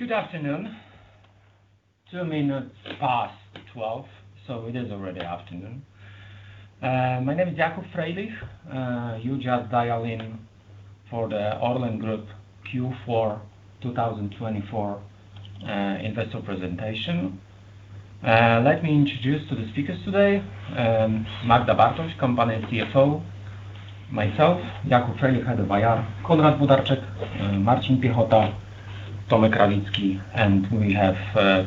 Good afternoon. 12:02 P.M., so it is already afternoon. My name is Jakub Frejlich. You just dial in for the ORLEN Group Q4 2024 investor presentation. Let me introduce to the speakers today, Magda Bartoś, Company CFO, myself, Jakub Frejlich, Head of IR, Konrad Włodarczyk, Marcin Piechota, Tomek Rawicki, and we have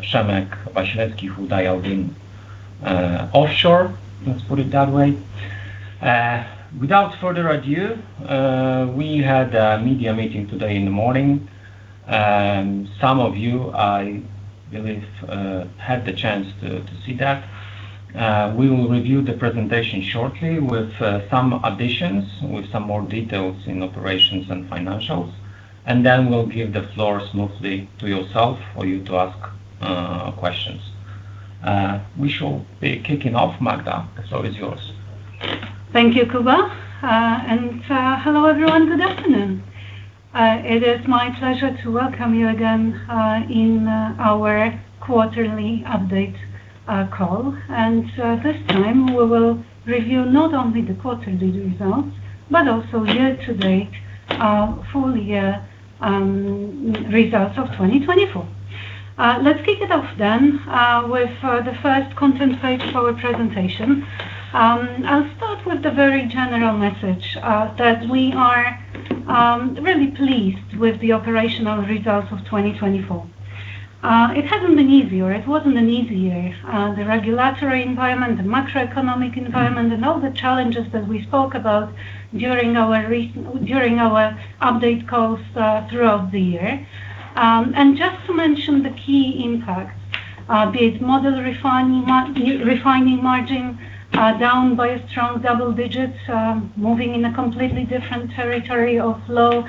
Przemek Wasilewski, who dialed in offshore, let's put it that way. Without further ado, we had a media meeting today in the morning, and some of you, I believe, had the chance to see that. We will review the presentation shortly with some additions, with some more details in operations and financials, and then we'll give the floor smoothly to yourself for you to ask questions. We shall be kicking off, Magda. The floor is yours. Thank you, Kuba. Hello, everyone. Good afternoon. It is my pleasure to welcome you again, in our quarterly update call. This time, we will review not only the quarterly results, but also year-to-date, full year, results of 2024. Let's kick it off then, with the first content page for our presentation. I'll start with the very general message, that we are really pleased with the operational results of 2024. It hasn't been easy, or it wasn't an easy year. The regulatory environment, the macroeconomic environment, and all the challenges that we spoke about during our update calls throughout the year. And just to mention the key impacts, be it model refining margin down by a strong double digits, moving in a completely different territory of low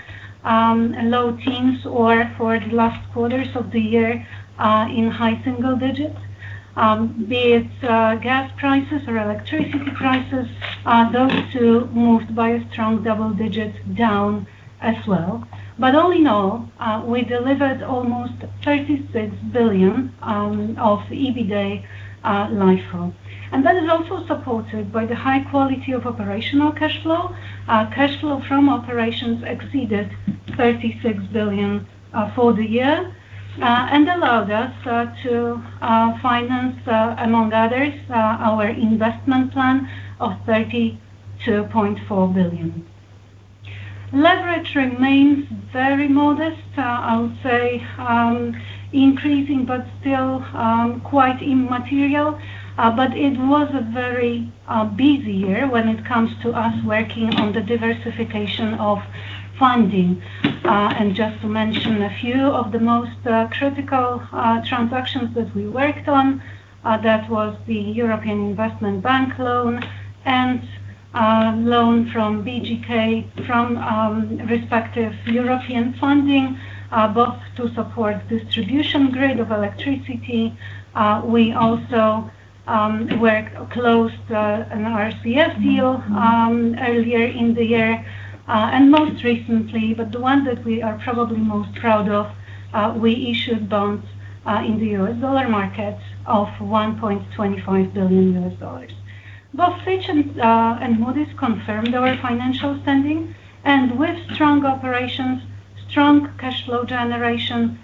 teens, or for the last quarters of the year, in high single digits. Be it gas prices or electricity prices, those two moved by a strong double digits down as well. But all in all, we delivered almost 36 billion of EBITDA LIFO. And that is also supported by the high quality of operational cash flow. Cash flow from operations exceeded 36 billion for the year, and allowed us to finance, among others, our investment plan of 32.4 billion. Leverage remains very modest, I would say, increasing, but still quite immaterial. But it was a very busy year when it comes to us working on the diversification of funding. And just to mention a few of the most critical transactions that we worked on, that was the European Investment Bank loan and loan from BGK, from respective European funding, both to support distribution grid of electricity. We also closed an RCF deal earlier in the year, and most recently, but the one that we are probably most proud of, we issued bonds in the U.S. dollar market of $1.25 billion. Both Fitch and Moody's confirmed our financial standing, and with strong operations, strong cash flow generation,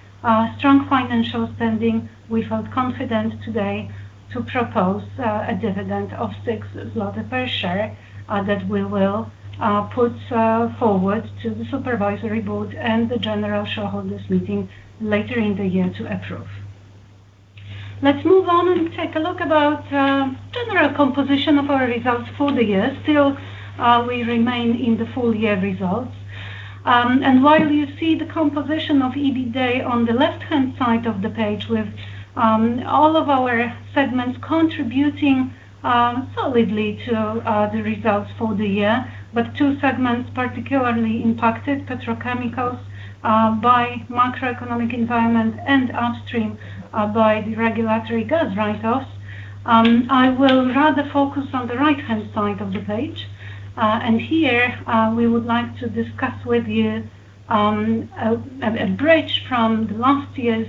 strong financial standing, we felt confident today to propose a dividend of 6 zloty per share that we will put forward to the supervisory board and the general shareholders' meeting later in the year to approve. Let's move on and take a look about general composition of our results for the year. Still, we remain in the full year results. And while you see the composition of EBITDA on the left-hand side of the page, with all of our segments contributing solidly to the results for the year, but two segments particularly impacted: Petrochemicals by macroeconomic environment, and Upstream by regulatory gas write-offs. I will rather focus on the right-hand side of the page. Here, we would like to discuss with you a bridge from last year's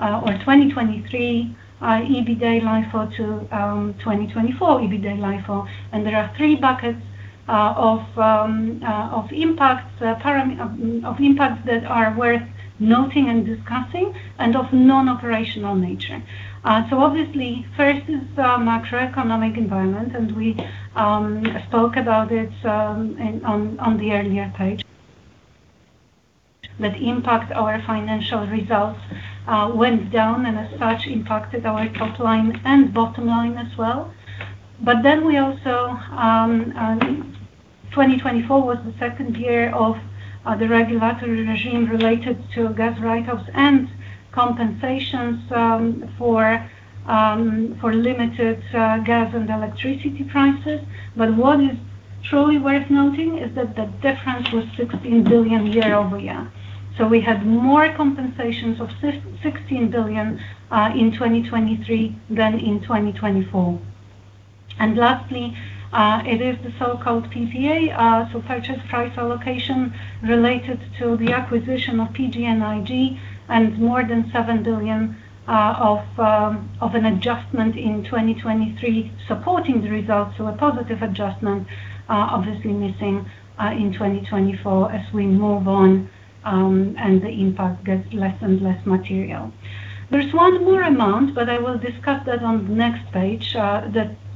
or 2023 EBITDA LIFO to 2024 EBITDA LIFO. There are three buckets of impacts that are worth noting and discussing and of non-operational nature. So obviously, first is the macroeconomic environment, and we spoke about it on the earlier page. That impact our financial results went down, and as such, impacted our top line and bottom line as well. But then we also, 2024 was the second year of the regulatory regime related to gas write-offs and compensations for limited gas and electricity prices. But what is truly worth noting is that the difference was 16 billion year-over-year. So we had more compensations of 16 billion in 2023 than in 2024. And lastly, it is the so-called PPA, so purchase price allocation related to the acquisition of PGNiG, and more than 7 billion of an adjustment in 2023 supporting the results. So a positive adjustment, obviously missing, in 2024 as we move on, and the impact gets less and less material. There's one more amount, but I will discuss that on the next page,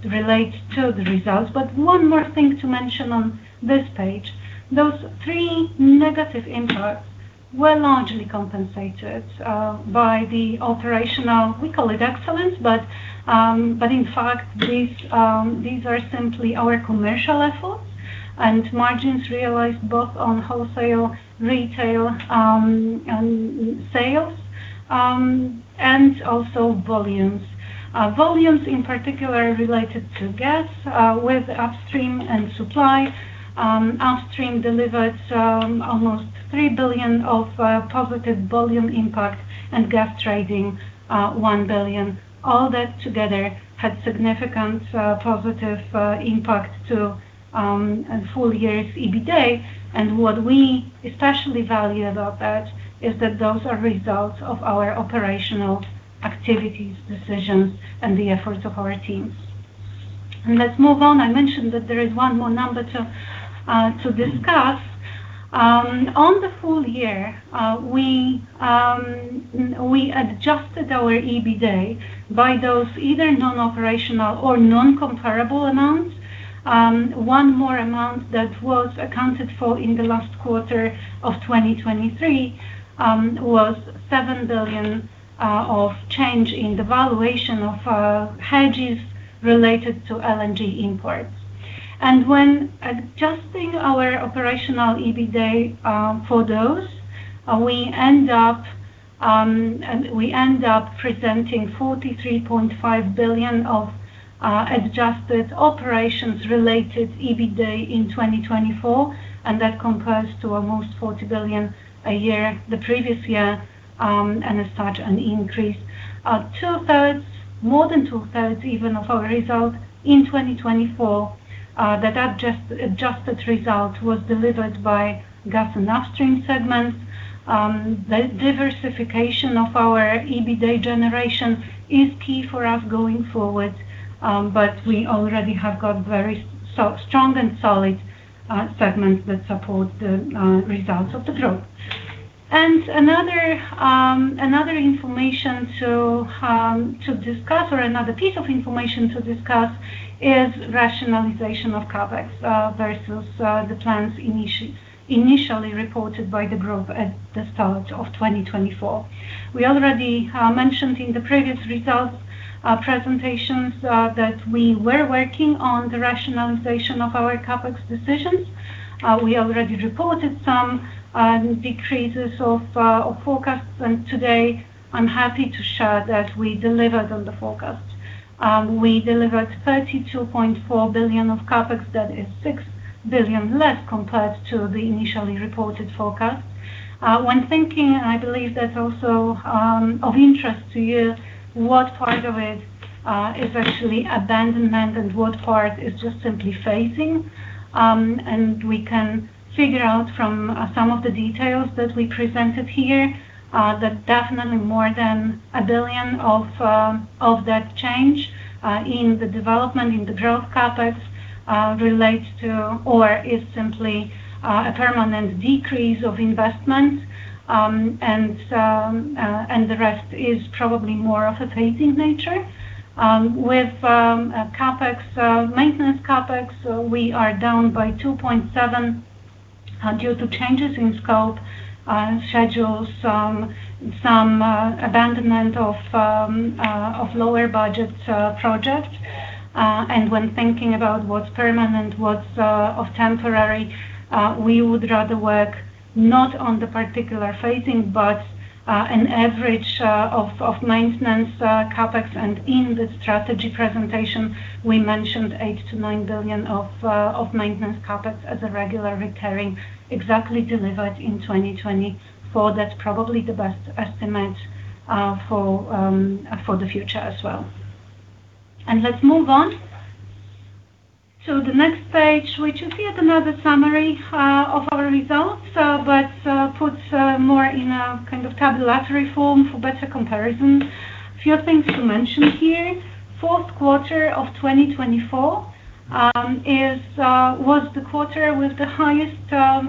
that relates to the results. But one more thing to mention on this page, those three negative impacts were largely compensated by the operational, we call it excellence, but in fact, these are simply our commercial efforts and margins realized both on wholesale, retail, and sales, and also volumes. Volumes in particular related to gas, with Upstream & Supply. Upstream delivered almost 3 billion of positive volume impact and gas trading 1 billion. All that together had significant positive impact to a full year's EBITDA. What we especially value about that is that those are results of our operational activities, decisions, and the efforts of our teams. Let's move on. I mentioned that there is one more number to discuss. On the full year, we adjusted our EBITDA by those either non-operational or non-comparable amounts. One more amount that was accounted for in the last quarter of 2023 was 7 billion of change in the valuation of hedges related to LNG imports. When adjusting our operational EBITDA for those, we end up presenting 43.5 billion of adjusted operations related EBITDA in 2024, and that compares to almost 40 billion a year the previous year, and as such, an increase of 2/3s, more than 2/3s even of our results in 2024. That adjusted result was delivered by Gas and Upstream segments. The diversification of our EBITDA generation is key for us going forward, but we already have got very strong and solid segments that support the results of the group. Another information to discuss or another piece of information to discuss is rationalization of CapEx versus the plans initially reported by the group at the start of 2024. We already mentioned in the previous results presentations that we were working on the rationalization of our CapEx decisions. We already reported some decreases of forecasts, and today, I'm happy to share that we delivered on the forecast. We delivered 32.4 billion of CapEx. That is 6 billion less compared to the initially reported forecast. When thinking, I believe that's also of interest to you, what part of it is actually abandonment and what part is just simply phasing. We can figure out from some of the details that we presented here that definitely more than 1 billion of that change in the development, in the growth CapEx, relates to or is simply a permanent decrease of investment. The rest is probably more of a phasing nature. With CapEx, maintenance CapEx, we are down by 2.7 due to changes in scope, schedules, some abandonment of lower budget projects. When thinking about what's permanent, what's temporary, we would rather work not on the particular phasing, but an average of maintenance CapEx. In the strategy presentation, we mentioned 8 billion-9 billion of maintenance CapEx as a regular recurring, exactly delivered in 2024. That's probably the best estimate for the future as well. Let's move on to the next page, which is yet another summary of our results, but puts more in a kind of tabulatory form for better comparison. A few things to mention here. Fourth quarter of 2024 was the quarter with the highest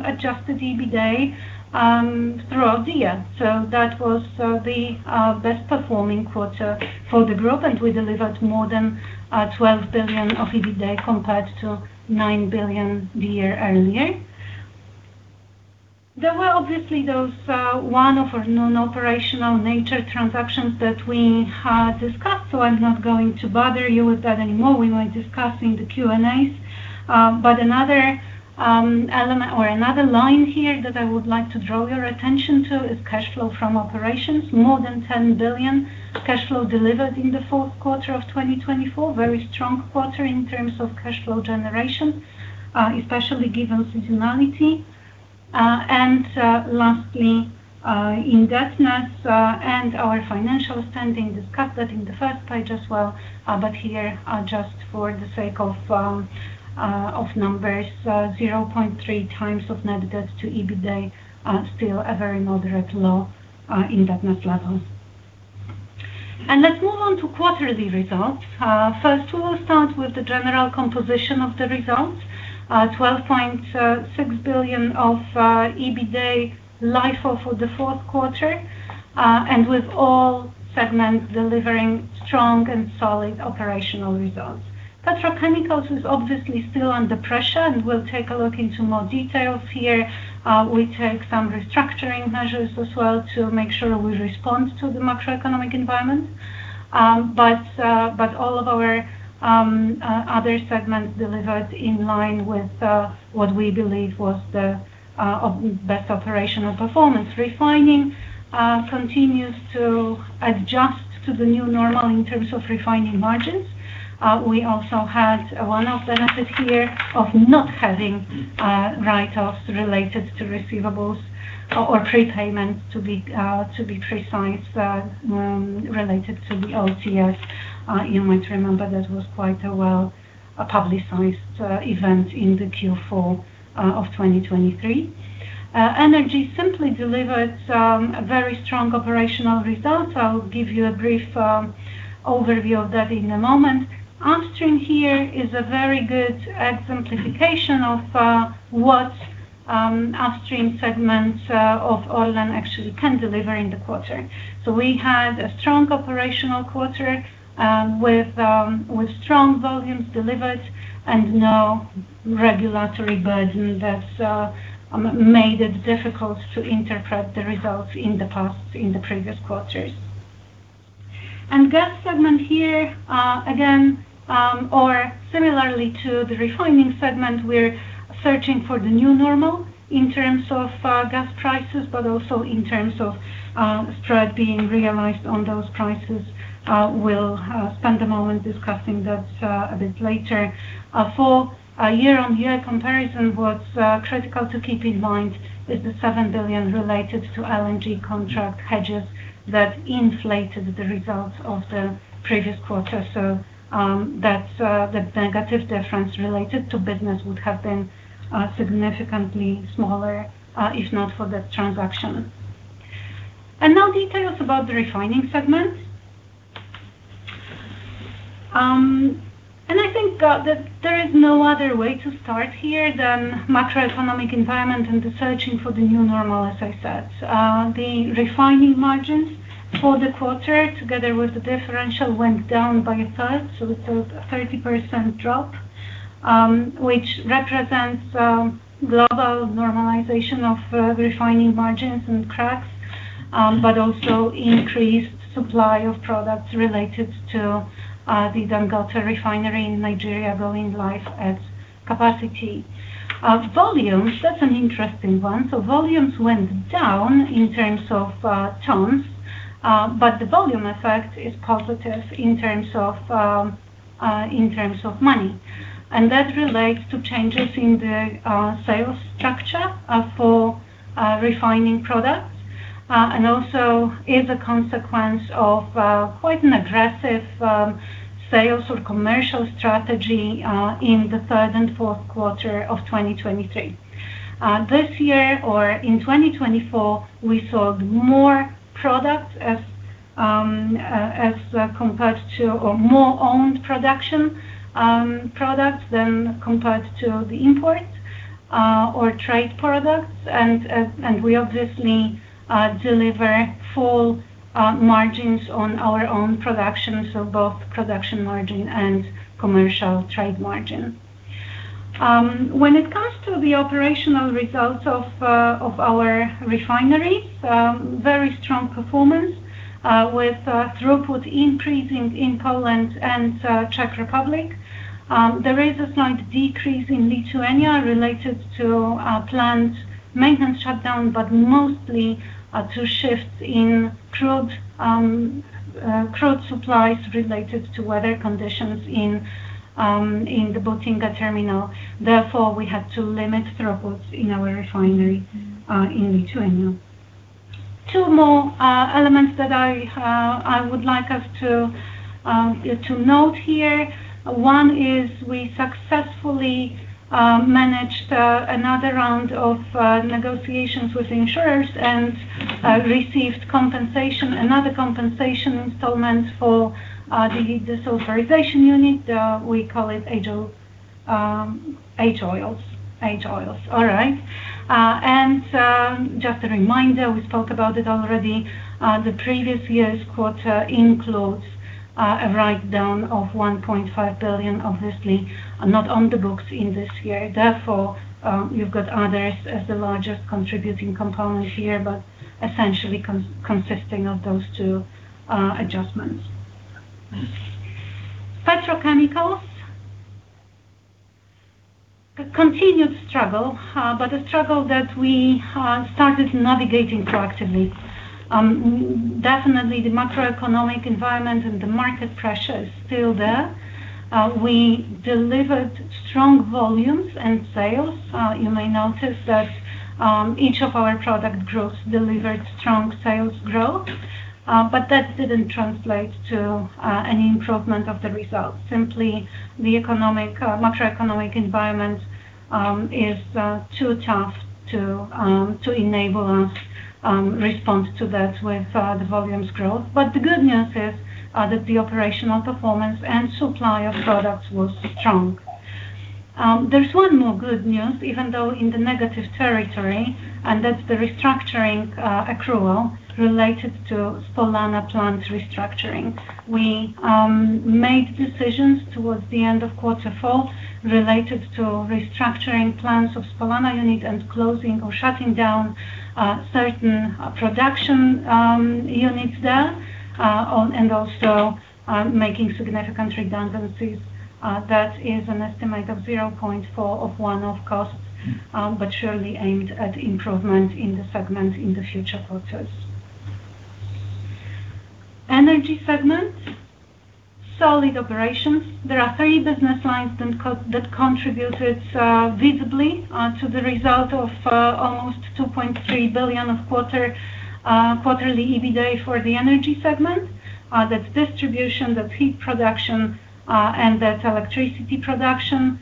adjusted EBITDA throughout the year. So that was the best performing quarter for the group, and we delivered more than 12 billion of EBITDA, compared to 9 billion the year earlier. There were obviously those one-off or non-operational nature transactions that we had discussed, so I'm not going to bother you with that anymore. We might discuss in the Q&A. But another element or another line here that I would like to draw your attention to is cash flow from operations. More than 10 billion cash flow delivered in the fourth quarter of 2024. Very strong quarter in terms of cash flow generation, especially given seasonality. And lastly, indebtedness and our financial standing, discussed that in the first page as well. But here, just for the sake of numbers, 0.3x net debt to EBITDA, still a very moderate, low indebtedness level. And let's move on to quarterly results. First, we will start with the general composition of the results. 12.6 billion of EBITDA LIFO for the fourth quarter, and with all segments delivering strong and solid operational results. Petrochemicals is obviously still under pressure, and we'll take a look into more details here. We take some restructuring measures as well to make sure we respond to the macroeconomic environment. But all of our other segments delivered in line with what we believe was the of best operational performance. Refining continues to adjust to the new normal in terms of refining margins. We also had a one-off benefit here of not having write-offs related to receivables, or prepayments, to be precise, related to the OTS. You might remember that was quite a well, a publicized event in the Q4 of 2023. Energy simply delivered a very strong operational result. I'll give you a brief overview of that in a moment. Upstream here is a very good exemplification of what Upstream segments of ORLEN actually can deliver in the quarter. So we had a strong operational quarter, with strong volumes delivered and no regulatory burden that made it difficult to interpret the results in the past, in the previous quarters. And Gas segment here, again, or similarly to the Refining segment, we're searching for the new normal in terms of gas prices, but also in terms of spread being realized on those prices. We'll spend a moment discussing that a bit later. For a year-on-year comparison, what's critical to keep in mind is the 7 billion related to LNG contract hedges that inflated the results of the previous quarter. So, that's the negative difference related to business would have been significantly smaller, if not for that transaction. And now details about the Refining segment. And I think that there is no other way to start here than macroeconomic environment and the searching for the new normal, as I said. The Refining margins for the quarter, together with the differential, went down by a third, so it's a 30% drop, which represents global normalization of refining margins and cracks, but also increased supply of products related to the Dangote Refinery in Nigeria running live at capacity. Volumes, that's an interesting one. So volumes went down in terms of tons, but the volume effect is positive in terms of money. That relates to changes in the sales structure for Refining products and also is a consequence of quite an aggressive sales or commercial strategy in the third and fourth quarter of 2023. This year, or in 2024, we sold more products as compared to or more owned production products than compared to the import or trade products. And we obviously deliver full margins on our own production, so both production margin and commercial trade margin. When it comes to the operational results of our refineries, very strong performance with throughput increasing in Poland and Czech Republic. There is a slight decrease in Lithuania related to planned maintenance shutdown, but mostly to shifts in crude supplies related to weather conditions in the Būtingė Terminal. Therefore, we had to limit throughputs in our refinery in Lithuania. Two more elements that I would like us to note here. One is we successfully managed another round of negotiations with insurers and received compensation, another compensation installment for the desulfurization unit. We call it H-Oil. All right. And just a reminder, we spoke about it already, the previous year's quarter includes a write-down of 1.5 billion, obviously not on the books in this year. Therefore, you've got others as the largest contributing component here, but essentially consisting of those two adjustments. Petrochemicals, a continued struggle, but a struggle that we started navigating proactively. Definitely the macroeconomic environment and the market pressure is still there. We delivered strong volumes and sales. You may notice that each of our product groups delivered strong sales growth, but that didn't translate to any improvement of the results. Simply, the economic macroeconomic environment is too tough to enable us respond to that with the volumes growth. But the good news is that the operational performance and supply of products was strong. There's one more good news, even though in the negative territory, and that's the restructuring accrual related to Spolana plant restructuring. We made decisions towards the end of quarter four related to restructuring plans of Spolana unit and closing or shutting down certain production units there and also making significant redundancies. That is an estimate of 0.4 billion of costs, but surely aimed at improvement in the segment in the future quarters. Energy segment, solid operations. There are three business lines that contributed visibly to the result of almost 2.3 billion quarterly EBITDA for the Energy segment. That's distribution, that's heat production, and that's electricity production.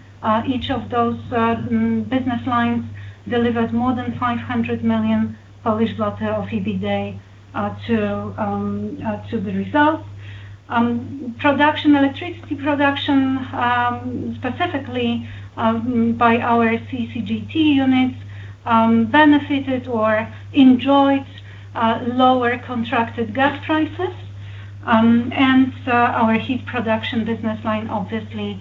Each of those business lines delivered more than 500 million of EBITDA to the results. Production, electricity production, specifically by our CCGT units, benefited or enjoyed lower contracted gas prices. Our heat production business line obviously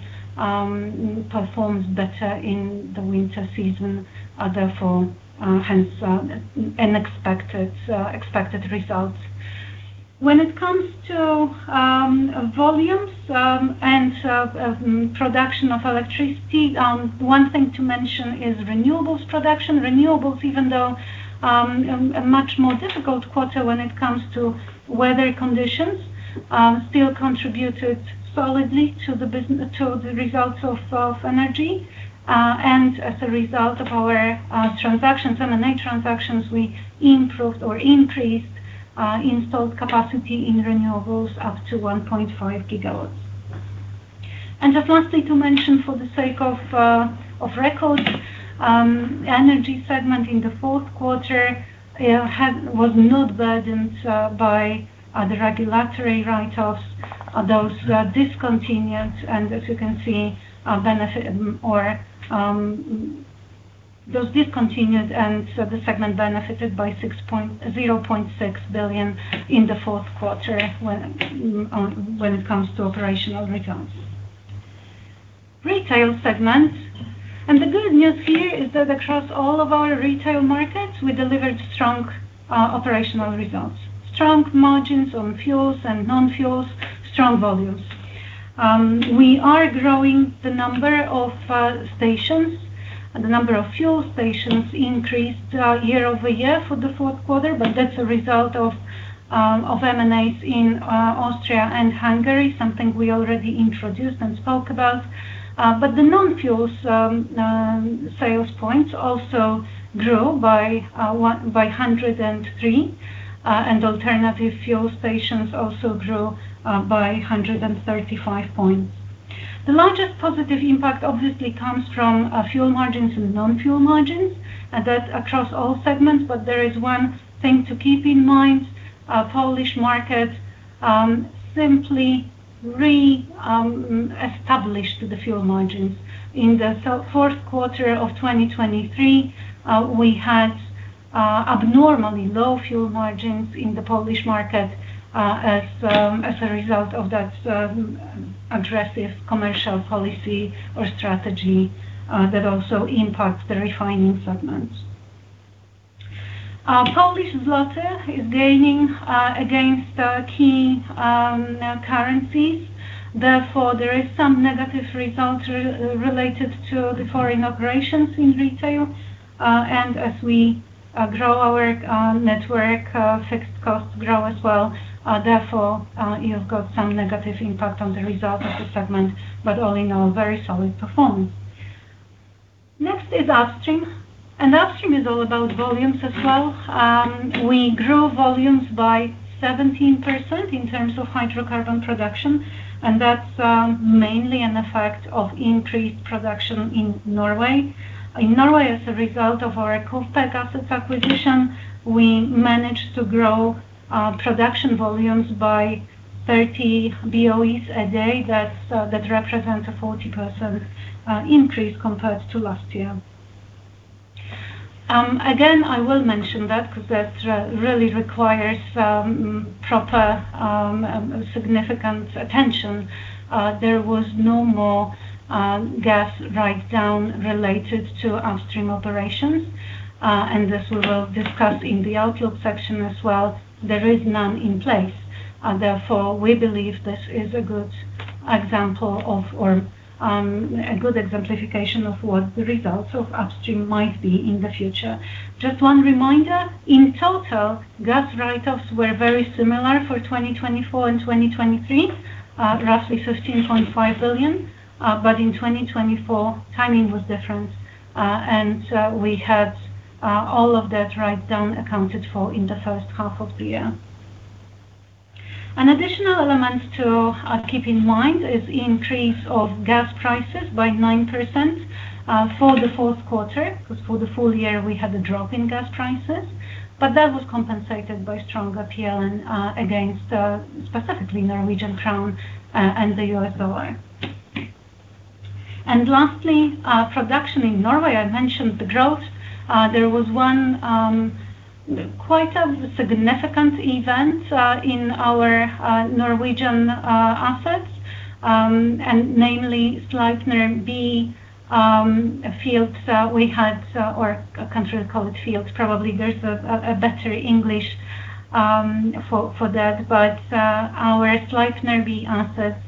performs better in the winter season; therefore, hence, expected results. When it comes to volumes and production of electricity, one thing to mention is renewables production. Renewables, even though a much more difficult quarter when it comes to weather conditions, still contributed solidly to the results of energy. As a result of our transactions, M&A transactions, we improved or increased installed capacity in renewables up to 1.5 GW. And just lastly, to mention for the sake of of record, Energy segment in the fourth quarter had, was not burdened by the regulatory write-offs. Those were discontinued, and as you can see, benefit, or, those discontinued, and so the segment benefited by 0.6 billion in the fourth quarter, when, when it comes to operational results. Retail segment, and the good news here is that across all of our retail markets, we delivered strong operational results, strong margins on fuels and non-fuels, strong volumes. We are growing the number of stations. The number of fuel stations increased year-over-year for the fourth quarter, but that's a result of of M&As in Austria and Hungary, something we already introduced and spoke about. But the non-fuels sales points also grew by 103, and alternative fuel stations also grew by 135 points. The largest positive impact obviously comes from fuel margins and non-fuel margins, and that's across all segments. But there is one thing to keep in mind, Polish market simply re-established the fuel margins. In the fourth quarter of 2023, we had abnormally low fuel margins in the Polish market, as a result of that aggressive commercial policy or strategy that also impacts the Refining segment. Polish zloty is gaining against key currencies. Therefore, there is some negative result related to the foreign operations in Retail. And as we grow our network, fixed costs grow as well. Therefore, you've got some negative impact on the result of the segment, but all in all, very solid performance. Next is Upstream, and Upstream is all about volumes as well. We grew volumes by 17% in terms of hydrocarbon production, and that's mainly an effect of increased production in Norway. In Norway, as a result of our KUFPEC assets acquisition, we managed to grow production volumes by 30 BOEs a day. That's that represent a 40% increase compared to last year. Again, I will mention that, because that really requires proper significant attention. There was no more gas write-down related to Upstream operations, and this we will discuss in the outlook section as well. There is none in place, therefore, we believe this is a good example of, a good exemplification of what the results of Upstream might be in the future. Just one reminder, in total, gas write-offs were very similar for 2024 and 2023, roughly 15.5 billion. But in 2024, timing was different. And, we had, all of that write-down accounted for in the first half of the year. An additional element to, keep in mind is the increase of gas prices by 9%, for the fourth quarter, because for the full year, we had a drop in gas prices. But that was compensated by stronger PLN, against, specifically Norwegian krone, and the U.S. dollar. And lastly, production in Norway. I mentioned the growth. There was one quite significant event in our Norwegian assets, and namely Sleipner B fields. We had, or I can't really call it fields, probably there's a better English for that. But our Sleipner B assets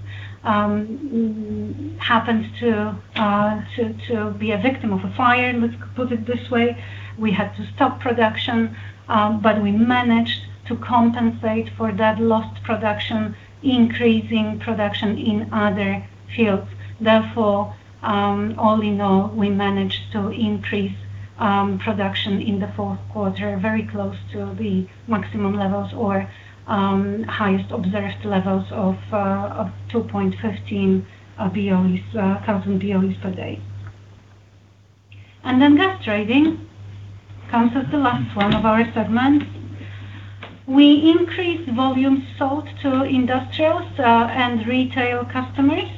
happened to be a victim of a fire, let's put it this way. We had to stop production, but we managed to compensate for that lost production, increasing production in other fields. Therefore, all in all, we managed to increase production in the fourth quarter, very close to the maximum levels or highest observed levels of 2.15 thousand BOEs per day. And then gas trading comes as the last one of our segments. We increased volume sold to industrials and retail customers.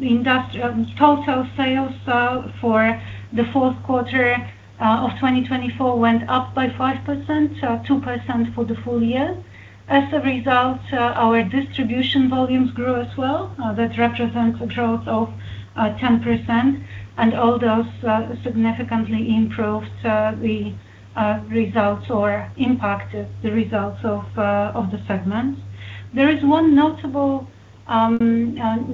Industrial total sales for the fourth quarter of 2024 went up by 5%, so 2% for the full year. As a result, our distribution volumes grew as well. That represents a growth of 10%, and all those significantly improved the results or impacted the results of the segment. There is one notable phenomenon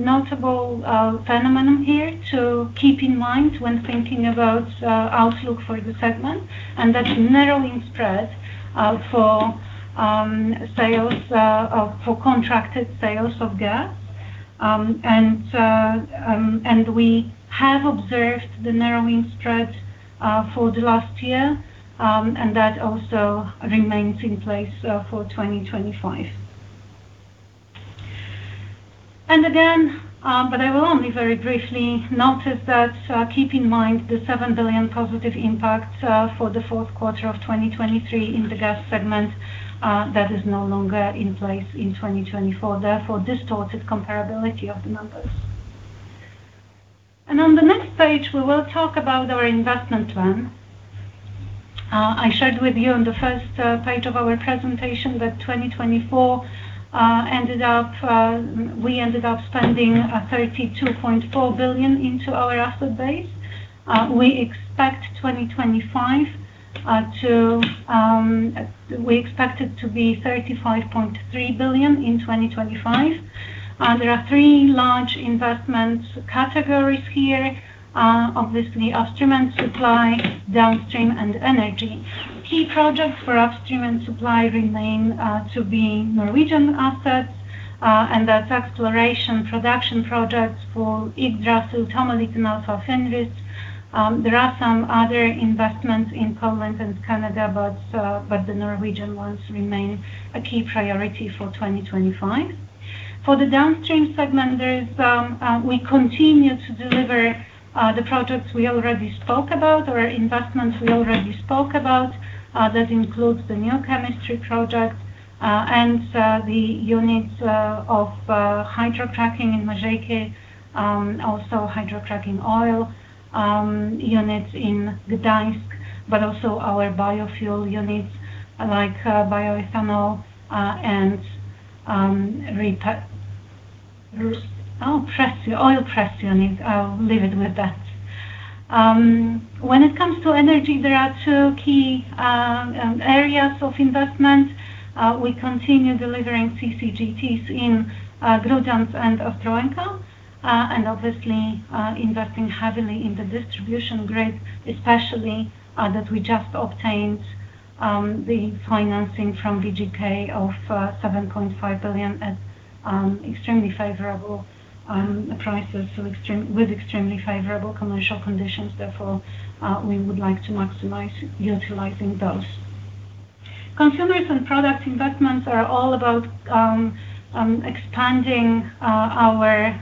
here to keep in mind when thinking about outlook for the segment, and that's narrowing spread for sales for contracted sales of gas. And we have observed the narrowing spread for the last year, and that also remains in place for 2025. Again, but I will only very briefly notice that, keep in mind the 7 billion positive impact for the fourth quarter of 2023 in the Gas segment, that is no longer in place in 2024, therefore, distorted comparability of the numbers. On the next page, we will talk about our investment plan. I shared with you on the first page of our presentation that 2024 ended up... we ended up spending 32.4 billion into our asset base. We expect it to be 35.3 billion in 2025. There are three large investment categories here, obviously, Upstream & Supply, Downstream, and Energy. Key projects for Upstream & Supply remain to be Norwegian assets, and that's exploration production projects for Yggdrasil, Tommeliten Alpha, Fenris. There are some other investments in Poland and Canada, but the Norwegian ones remain a key priority for 2025. For the Downstream segment, there is we continue to deliver the projects we already spoke about, or investments we already spoke about. That includes the New Chemistry project, and the units of hydrocracking in Mažeikiai, also hydrocracking oil units in Gdańsk, but also our biofuel units, like bioethanol, and rapeseed oil press units. I'll leave it with that. When it comes to energy, there are two key areas of investment. We continue delivering CCGTs in Grudziądz and Ostrołęka, and obviously investing heavily in the distribution grid, especially that we just obtained the financing from BGK of 7.5 billion at extremely favorable prices with extremely favorable commercial conditions. Therefore, we would like to maximize utilizing those. Consumers and Product investments are all about expanding our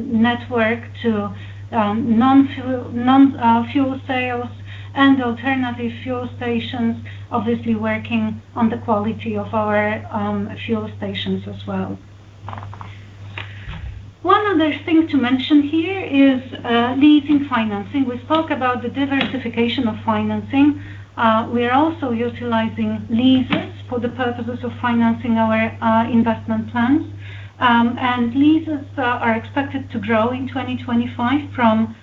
network to non-fuel sales and alternative fuel stations, obviously working on the quality of our fuel stations as well. One other thing to mention here is leasing financing. We spoke about the diversification of financing. We are also utilizing leases for the purposes of financing our investment plans. And leases are expected to grow in 2025 from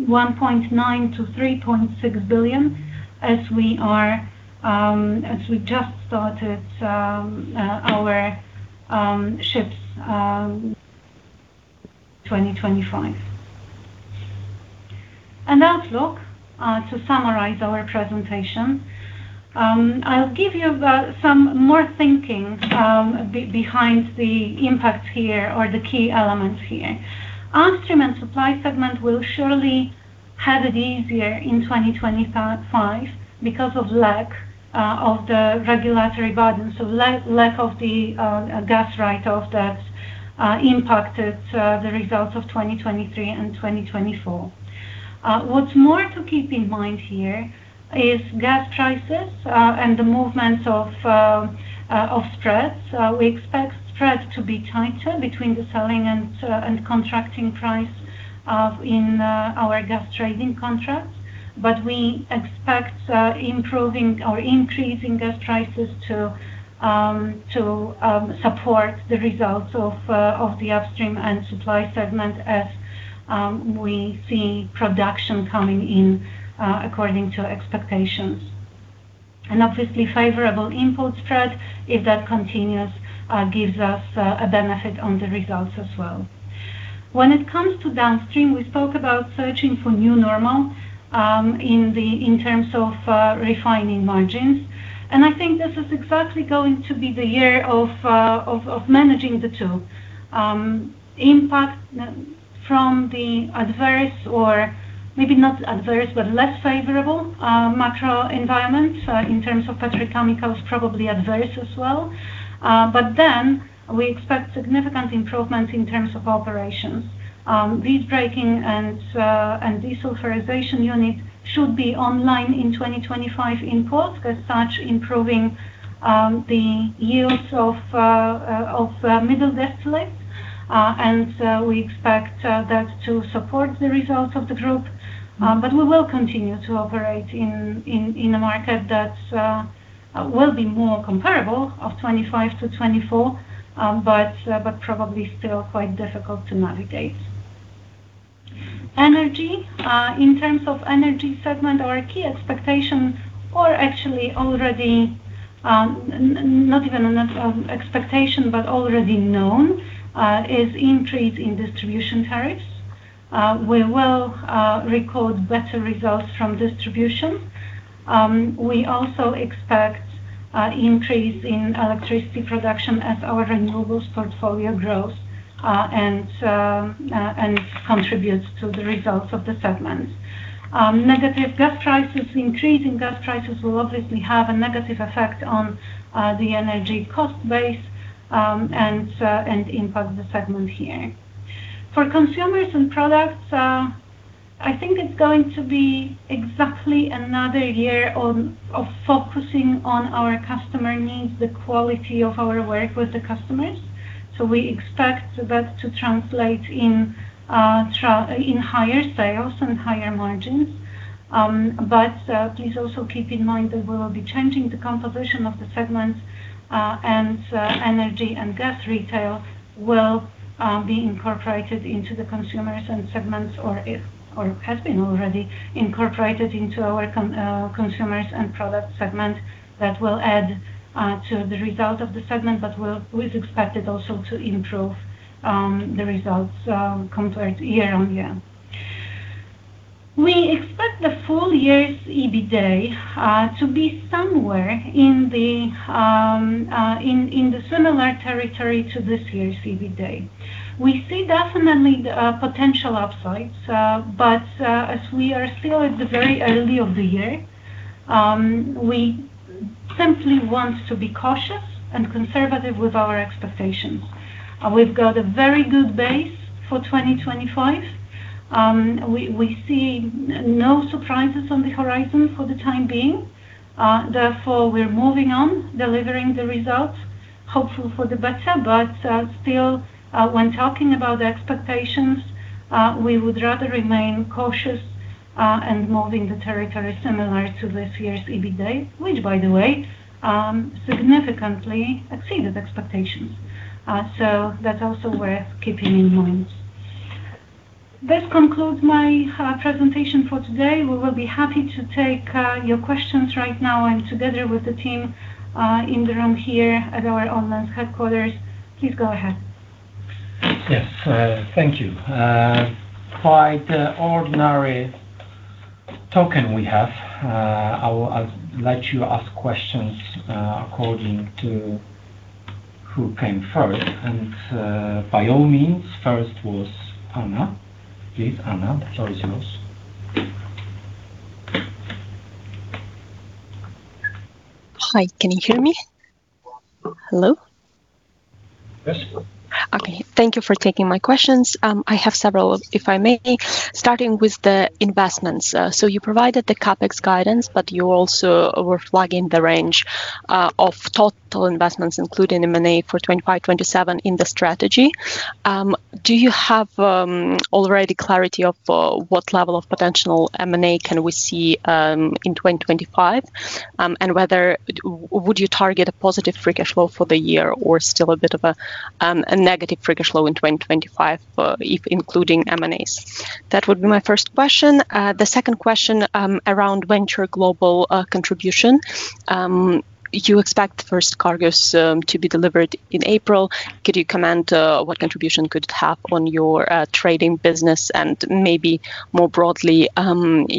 1.9 billion-3.6 billion, as we are, as we just started our ships 2025. An outlook to summarize our presentation. I'll give you some more thinking behind the impacts here or the key elements here. Upstream & Supply segment will surely have it easier in 2025 because of lack of the regulatory burden, so lack of the gas write-off that impacted the results of 2023 and 2024. What's more to keep in mind here is gas prices and the movement of spreads. We expect spreads to be tighter between the selling and contracting price in our gas trading contracts. But we expect improving or increasing gas prices to support the results of the Upstream & Supply segment as we see production coming in according to expectations. Obviously, favorable import spread, if that continues, gives us a benefit on the results as well. When it comes to downstream, we spoke about searching for new normal in terms of refining margins. I think this is exactly going to be the year of managing the two. Impact from the adverse, or maybe not adverse, but less favorable macro environment in terms of Petrochemicals, probably adverse as well. But then we expect significant improvements in terms of operations. Visbreaking and desulfurization unit should be online in 2025 in Poland, as such, improving the use of middle distillates. And we expect that to support the results of the group. But we will continue to operate in a market that will be more comparable of 25 to 24, but probably still quite difficult to navigate. Energy. In terms of energy segment, our key expectations are actually already not even an expectation, but already known is increase in distribution tariffs. We will record better results from distribution. We also expect increase in electricity production as our renewables portfolio grows and contributes to the results of the segment. Negative gas prices, increasing gas prices will obviously have a negative effect on the energy cost base, and impact the segment here. For Consumers and Products, I think it's going to be exactly another year of focusing on our customer needs, the quality of our work with the customers. So we expect that to translate in higher sales and higher margins. But please also keep in mind that we will be changing the composition of the segment, and Energy, and Gas, Retail will be incorporated into the consumers and segments, or has been already incorporated into our Consumers and Product segment that will add to the result of the segment, but is expected also to improve the results compared year-on-year. We expect the full year's EBITDA to be somewhere in the similar territory to this year's EBITDA. We see definitely potential upsides, but as we are still at the very early of the year, we simply want to be cautious and conservative with our expectations. We've got a very good base for 2025. We see no surprises on the horizon for the time being. Therefore, we're moving on, delivering the results, hopeful for the better, but still, when talking about the expectations, we would rather remain cautious, and moving the territory similar to this year's EBITDA, which, by the way, significantly exceeded expectations. So that's also worth keeping in mind. This concludes my presentation for today. We will be happy to take your questions right now. I'm together with the team, in the room here at our online headquarters. Please go ahead. Yes, thank you. By the ordinary token we have, I will, I'll let you ask questions, according to who came first. And, by all means, first was Anna. Please, Anna, the floor is yours. Hi, can you hear me? Hello? Yes. Okay. Thank you for taking my questions. I have several, if I may, starting with the investments. So you provided the CapEx guidance, but you also were flagging the range of total investments, including M&A, for 2025, 2027 in the strategy. Do you have already clarity of what level of potential M&A can we see in 2025? And whether would you target a positive free cash flow for the year, or still a bit of a negative free cash flow in 2025, if including M&As? That would be my first question. The second question around Venture Global contribution. You expect the first cargoes to be delivered in April. Could you comment what contribution could it have on your trading business? Maybe more broadly,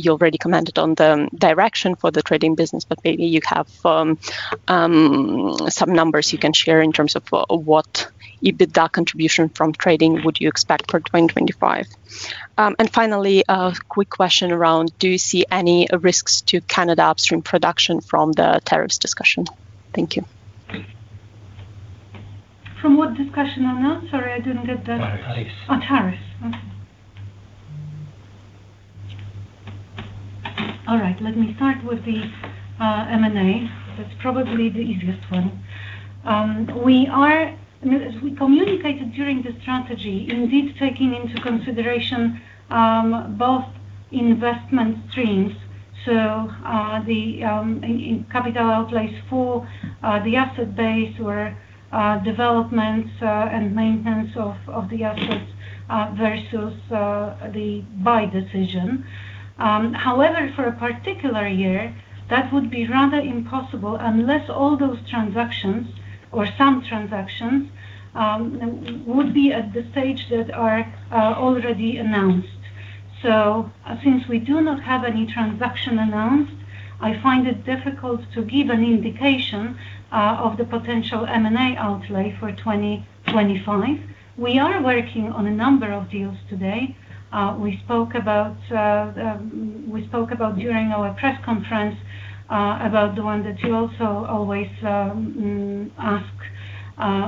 you already commented on the direction for the trading business, but maybe you have some numbers you can share in terms of what EBITDA contribution from trading would you expect for 2025? And finally, a quick question around: Do you see any risks to Canada Upstream production from the tariffs discussion? Thank you. From what discussion, Anna? Sorry, I didn't get that. Tariffs. Oh, tariffs. Okay. All right. Let me start with the M&A. That's probably the easiest one. We are, as we communicated during the strategy, indeed, taking into consideration both investment streams. So, the in capital outlays for the asset base, where developments and maintenance of the assets versus the buy decision. However, for a particular year, that would be rather impossible, unless all those transactions, or some transactions, would be at the stage that are already announced. So since we do not have any transaction announced, I find it difficult to give an indication of the potential M&A outlay for 2025. We are working on a number of deals today. We spoke about during our press conference about the one that you also always ask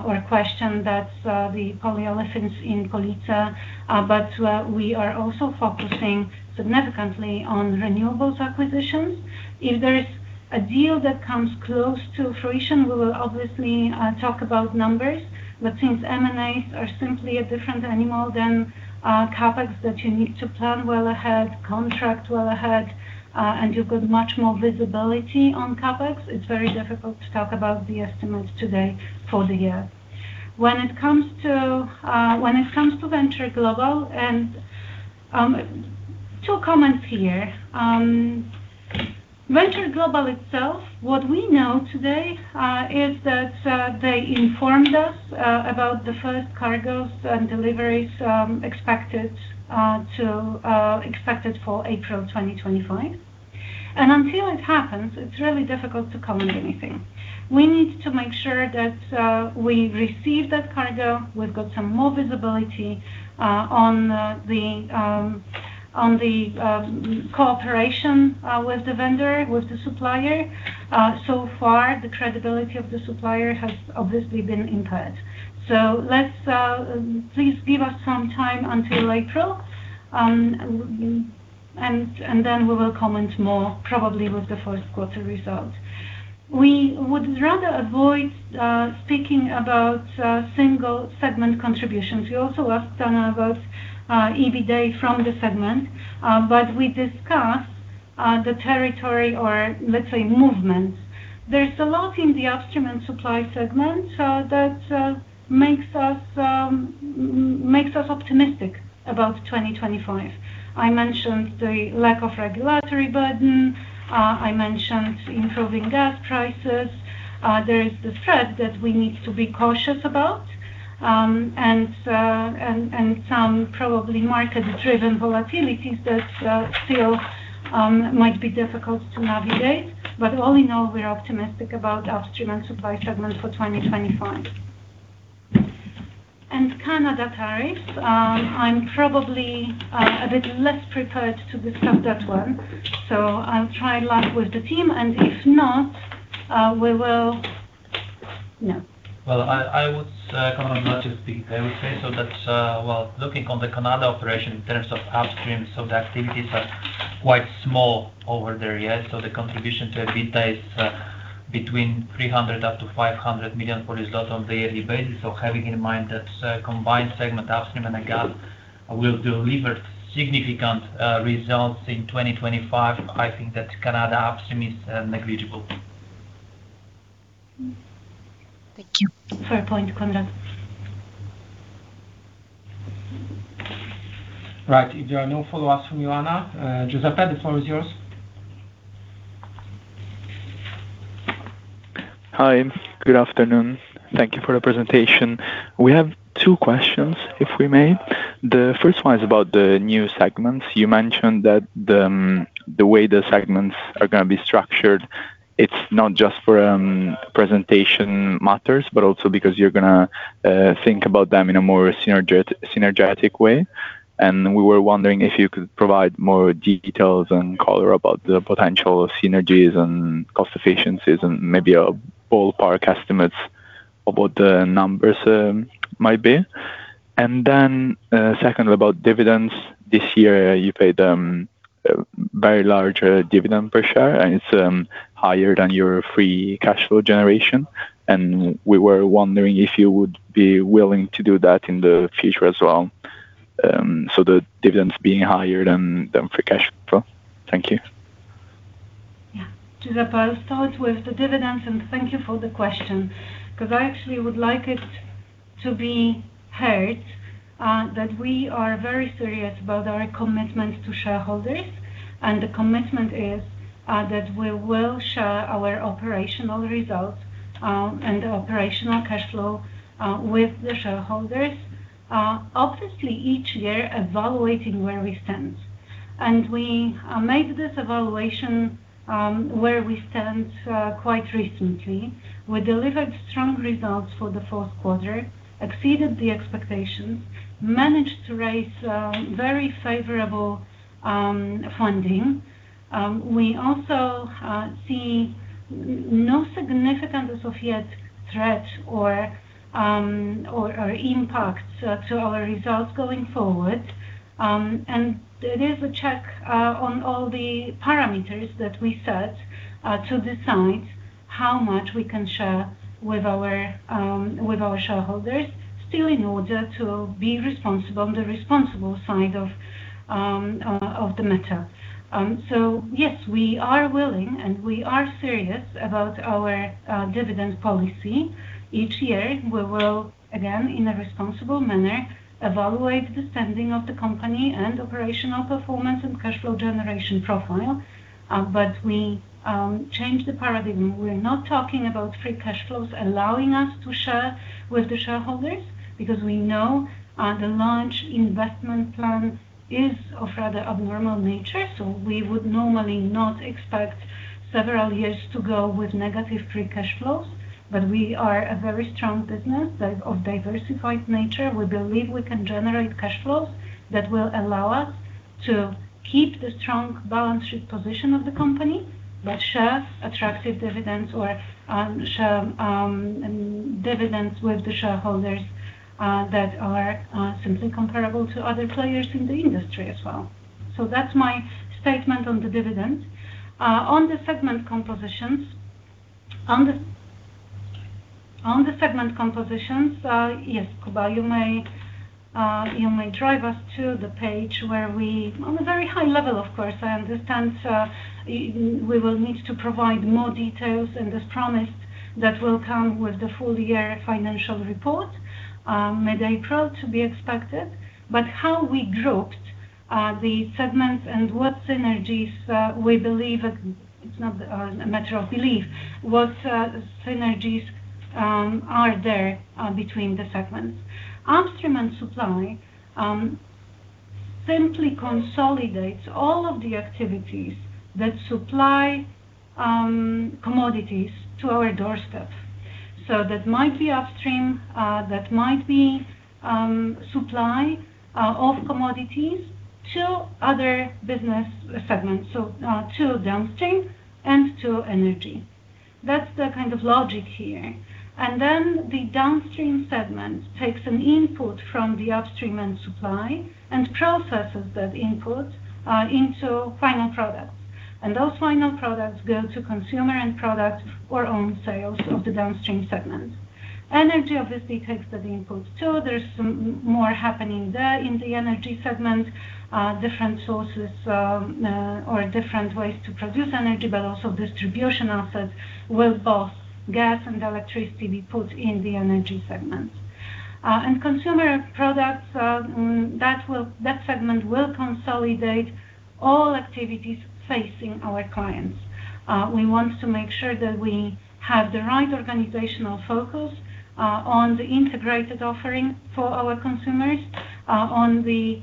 or question, that's the polyolefins in Police. But we are also focusing significantly on renewables acquisitions. If there is a deal that comes close to fruition, we will obviously talk about numbers. But since M&As are simply a different animal than CapEx, that you need to plan well ahead, contract well ahead, and you've got much more visibility on CapEx, it's very difficult to talk about the estimates today for the year. When it comes to Venture Global, and two comments here. Venture Global itself, what we know today, is that they informed us about the first cargoes and deliveries expected for April 2025. Until it happens, it's really difficult to comment anything. We need to make sure that we receive that cargo. We've got some more visibility on the cooperation with the vendor, with the supplier. So far, the credibility of the supplier has obviously been impaired. So let's please give us some time until April and then we will comment more, probably with the first quarter results. We would rather avoid speaking about single segment contributions. We also asked Anna about EBITDA from the segment, but we discussed the trajectory or let's say, movements. There's a lot in the Upstream & Supply segment that makes us optimistic about 2025. I mentioned the lack of regulatory burden. I mentioned improving gas prices. There is the threat that we need to be cautious about, and some probably market-driven volatilities that still might be difficult to navigate. But all in all, we're optimistic about Upstream & Supply segment for 2025. And Canada tariffs, I'm probably a bit less prepared to discuss that one, so I'll try luck with the team, and if not, we will... No. Well, I would say, well, looking on the Canada operation in terms of Upstream, so the activities are quite small over there. Yeah. So the contribution to EBITDA is between 300 million-500 million for this lot on the yearly basis. So having in mind that combined segment Upstream and again will deliver significant results in 2025, I think that Canada Upstream is negligible. Thank you. Fair point, Konrad. Right. If there are no follow-ups from you, Anna, Giuseppe, the floor is yours. Hi. Good afternoon. Thank you for the presentation. We have two questions, if we may. The first one is about the new segments. You mentioned that the way the segments are gonna be structured, it's not just for presentation matters, but also because you're gonna think about them in a more synergetic way. And we were wondering if you could provide more details and color about the potential synergies and cost efficiencies and maybe ballpark estimates about the numbers might be. And then secondly, about dividends. This year, you paid a very large dividend per share, and it's higher than your free cash flow generation, and we were wondering if you would be willing to do that in the future as well, so the dividends being higher than free cash flow. Thank you. Yeah. Giuseppe, I'll start with the dividends, and thank you for the question, because I actually would like it to be heard that we are very serious about our commitment to shareholders, and the commitment is that we will share our operational results and the operational cash flow with the shareholders. Obviously, each year evaluating where we stand. We made this evaluation where we stand quite recently. We delivered strong results for the fourth quarter, exceeded the expectations, managed to raise very favorable funding. We also see no significant associate threat or impact to our results going forward. It is a check on all the parameters that we set to decide how much we can share with our shareholders, still in order to be responsible on the responsible side of the matter. So yes, we are willing, and we are serious about our dividend policy. Each year, we will again, in a responsible manner, evaluate the standing of the company and operational performance and cash flow generation profile. But we change the paradigm. We're not talking about free cash flows allowing us to share with the shareholders, because we know the large investment plan is of rather abnormal nature. So we would normally not expect several years to go with negative free cash flows. But we are a very strong business that's of diversified nature. We believe we can generate cash flows that will allow us to keep the strong balance sheet position of the company, but share attractive dividends or, share, dividends with the shareholders, that are, simply comparable to other players in the industry as well. So that's my statement on the dividend. On the segment compositions, on the, on the segment compositions, yes, Kuba, you may, you may drive us to the page where we... On a very high level, of course, I understand, we will need to provide more details, and this promise that will come with the full year financial report, mid-April to be expected. But how we grouped, the segments and what synergies, we believe, it's not, a matter of belief, what, synergies, are there, between the segments? Upstream & Supply simply consolidates all of the activities that supply commodities to our doorstep. So that might be Upstream, that might be supply of commodities to other business segments, so to Downstream and to Energy. That's the kind of logic here. And then the Downstream segment takes an input from the Upstream & Supply, and processes that input into final products. And those final products go to Consumer and Products or own sales of the Downstream segment. Energy obviously takes that input, too. There's some more happening there in the Energy segment, different sources or different ways to produce energy, but also distribution assets, with both gas and electricity be put in the Energy segment. And Consumer Products, that segment will consolidate all activities facing our clients. We want to make sure that we have the right organizational focus on the integrated offering for our consumers on the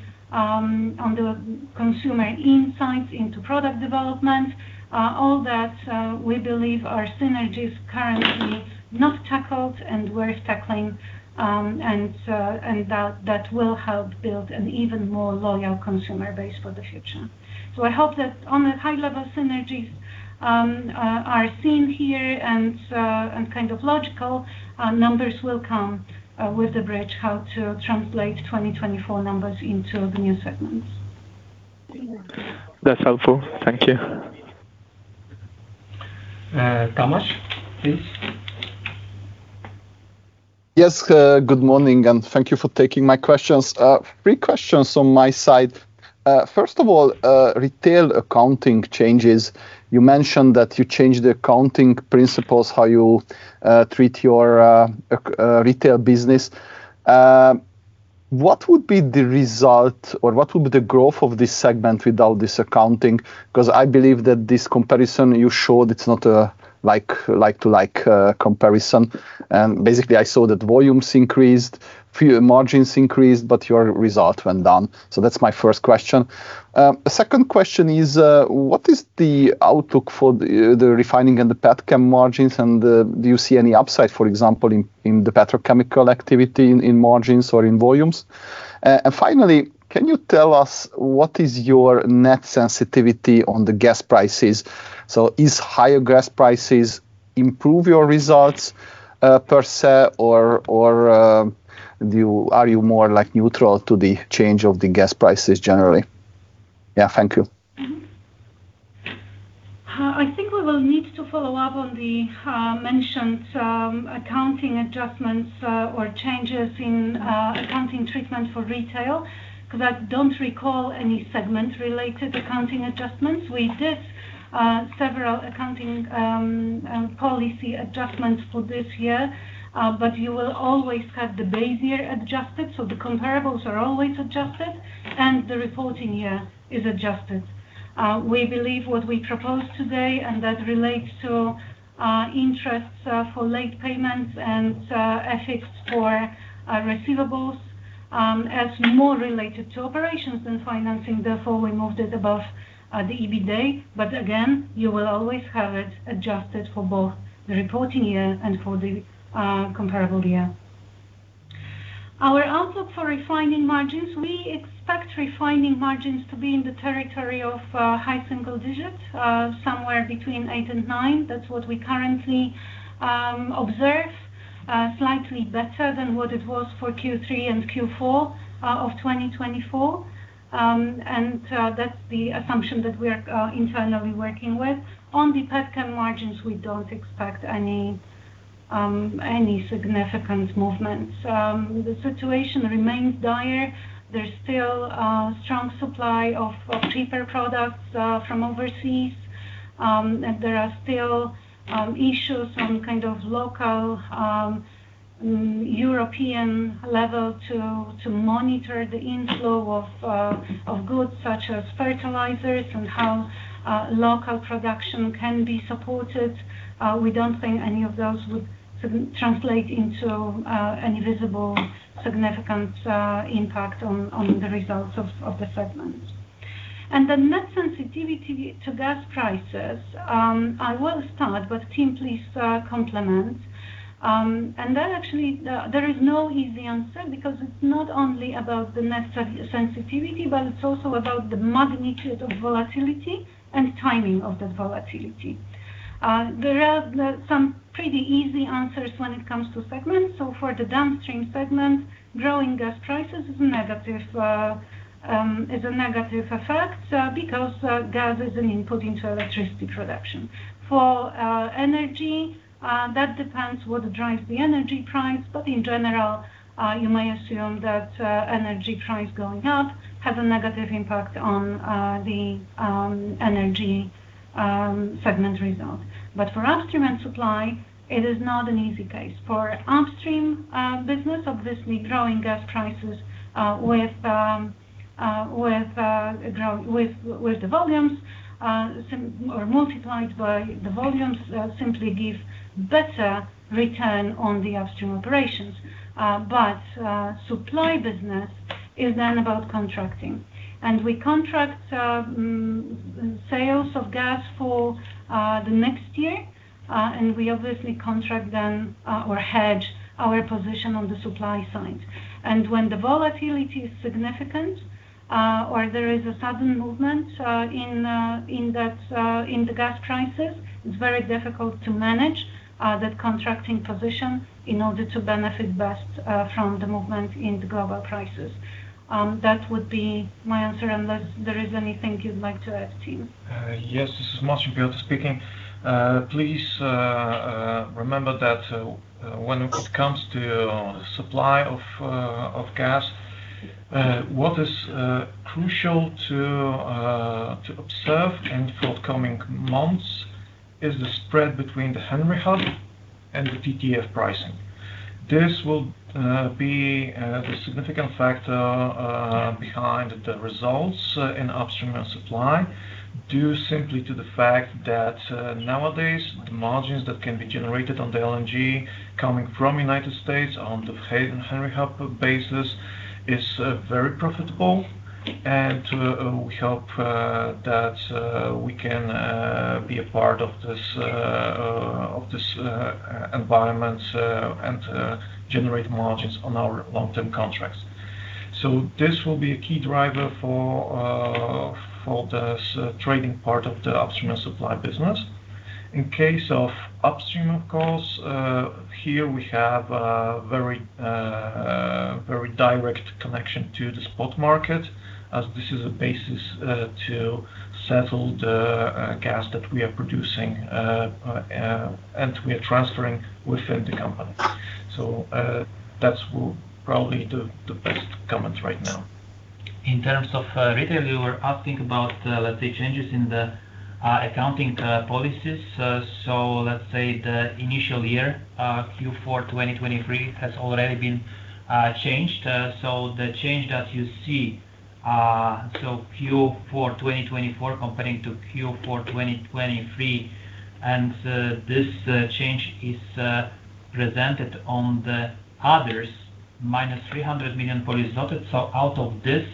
consumer insights into product development. All that we believe are synergies currently not tackled and we're tackling and that will help build an even more loyal consumer base for the future. So I hope that on a high level, synergies are seen here and kind of logical. Numbers will come with the bridge, how to translate 2024 numbers into the new segments. That's helpful. Thank you. Tamas, please. Yes, good morning, and thank you for taking my questions. Three questions on my side. First of all, retail accounting changes. You mentioned that you changed the accounting principles, how you treat your Retail business. What would be the result or what would be the growth of this segment without this accounting? Because I believe that this comparison you showed, it's not a like, like-to-like comparison. And basically, I saw that volumes increased, fuel margins increased, but your result went down. So that's my first question. Second question is, what is the outlook for the, the Refining and the Petchem margins, and, do you see any upside, for example, in, in the Petrochemical activity, in, in margins or in volumes? And finally, can you tell us what is your net sensitivity on the gas prices? So, is higher gas prices improve your results per se, or are you more like neutral to the change of the gas prices generally? Yeah. Thank you. I think we will need to follow up on the mentioned accounting adjustments or changes in accounting treatment for Retail, because I don't recall any segment-related accounting adjustments. We did several accounting policy adjustments for this year, but you will always have the base year adjusted. The comparables are always adjusted, and the reporting year is adjusted. We believe what we propose today, and that relates to interest for late payments and interest for receivables as more related to operations and financing. Therefore, we moved it above the EBITDA. But again, you will always have it adjusted for both the reporting year and for the comparable year. Our outlook for refining margins, we expect refining margins to be in the territory of high single digits, somewhere between eight and nine. That's what we currently observe, slightly better than what it was for Q3 and Q4 of 2024. And that's the assumption that we are internally working with. On the Petchem margins, we don't expect any significant movements. The situation remains dire. There's still strong supply of cheaper products from overseas. And there are still issues on kind of local European level to monitor the inflow of goods such as fertilizers and how local production can be supported. We don't think any of those would translate into any visible, significant impact on the results of the segment. And the net sensitivity to gas prices, I will start, but team please, complement. And that actually... There is no easy answer because it's not only about the net sensitivity, but it's also about the magnitude of volatility and timing of that volatility. There are some pretty easy answers when it comes to segments. So for the Downstream segment, growing gas prices is negative, is a negative effect, because gas is an input into electricity production. For Energy, that depends what drives the energy price. But in general, you may assume that energy price going up has a negative impact on the energy segment result. But for Upstream & Supply, it is not an easy case. For Upstream business, obviously, growing gas prices with the volumes or multiplied by the volumes simply give better return on the Upstream operations. But supply business is then about contracting, and we contract sales of gas for the next year, and we obviously contract them or hedge our position on the supply side. And when the volatility is significant or there is a sudden movement in the gas prices, it's very difficult to manage that contracting position in order to benefit best from the movement in the global prices. That would be my answer, unless there is anything you'd like to add, team. Yes. This is Marcin Piechota speaking. Please, remember that, when it comes to supply of, of gas, what is crucial to, to observe in forthcoming months is the spread between the Henry Hub and the TTF pricing. This will be the significant factor behind the results in Upstream & Supply, due simply to the fact that, nowadays, the margins that can be generated on the LNG coming from United States on the Henry Hub basis is very profitable. We hope, that, we can be a part of this environment, and, generate margins on our long-term contracts. So this will be a key driver for, for this, trading part of the Upstream & Supply business. In case of Upstream, of course, here we have a very, very direct connection to the spot market, as this is a basis to settle the gas that we are producing and we are transferring within the company. So, that's probably the, the best comment right now. In terms of, Retail, you were asking about, let's say, changes in the, accounting, policies. So let's say the initial year, Q4 2023, has already been, changed. So the change that you see, so Q4 2024 comparing to Q4 2023, and, this, change is, presented on the others, -300 million. So out of this,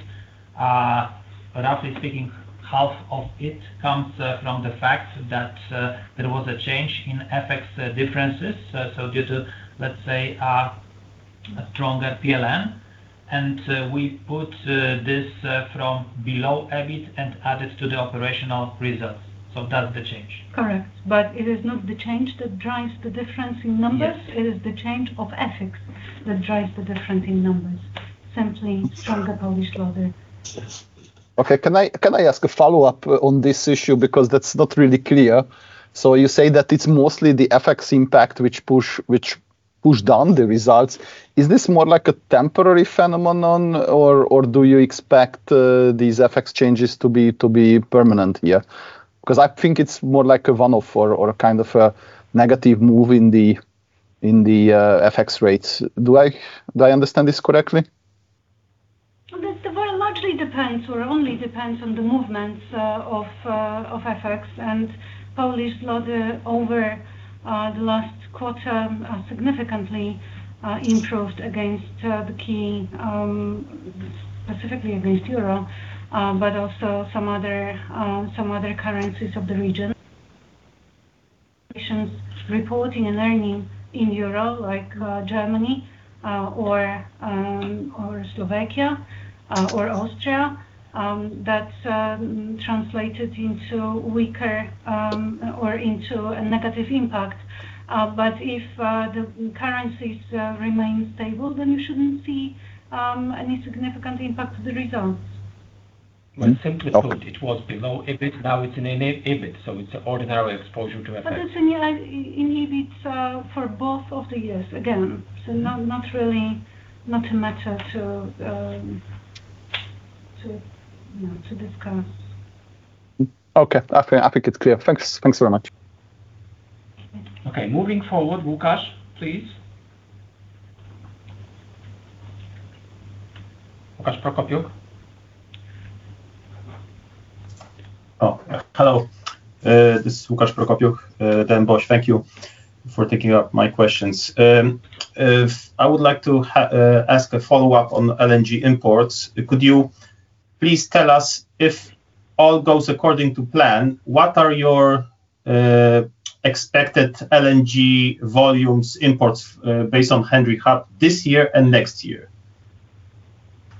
roughly speaking, half of it comes, from the fact that, there was a change in FX, differences. So due to, let's say, a stronger PLN, and, we put, this, from below EBIT and added to the operational results. So that's the change. Correct, but it is not the change that drives the difference in numbers. Yes. It is the change of exchange rates that drives the difference in numbers, simply from the Polish zloty. Yes. Okay. Can I ask a follow-up on this issue? Because that's not really clear. So you say that it's mostly the FX impact which push, which pushed down the results. Is this more like a temporary phenomenon, or do you expect these FX changes to be permanent here? 'Cause I think it's more like a one-off or a kind of a negative move in the FX rates. Do I understand this correctly? Well, that largely depends or only depends on the movements of FX and Polish zloty over the last quarter, significantly improved against the key, specifically against euro, but also some other currencies of the region. Reporting and earning in euro, like Germany, or Slovakia, or Austria, that translated into weaker or into a negative impact. But if the currencies remain stable, then you shouldn't see any significant impact to the results. Well, simply put, it was below EBIT, now it's in EBIT, so it's an ordinary exposure to FX. But it's in EBIT for both of the years, again. So not really, not a matter to you know to discuss. Okay. Okay, I think it's clear. Thanks. Thanks very much. Okay. Moving forward, Łukasz, please. Łukasz Prokopiuk? Oh, hello, this is Łukasz Prokopiuk, DM BOŚ. Thank you for taking up my questions. I would like to ask a follow-up on LNG imports. Could you please tell us if all goes according to plan, what are your expected LNG volumes imports based on Henry Hub this year and next year?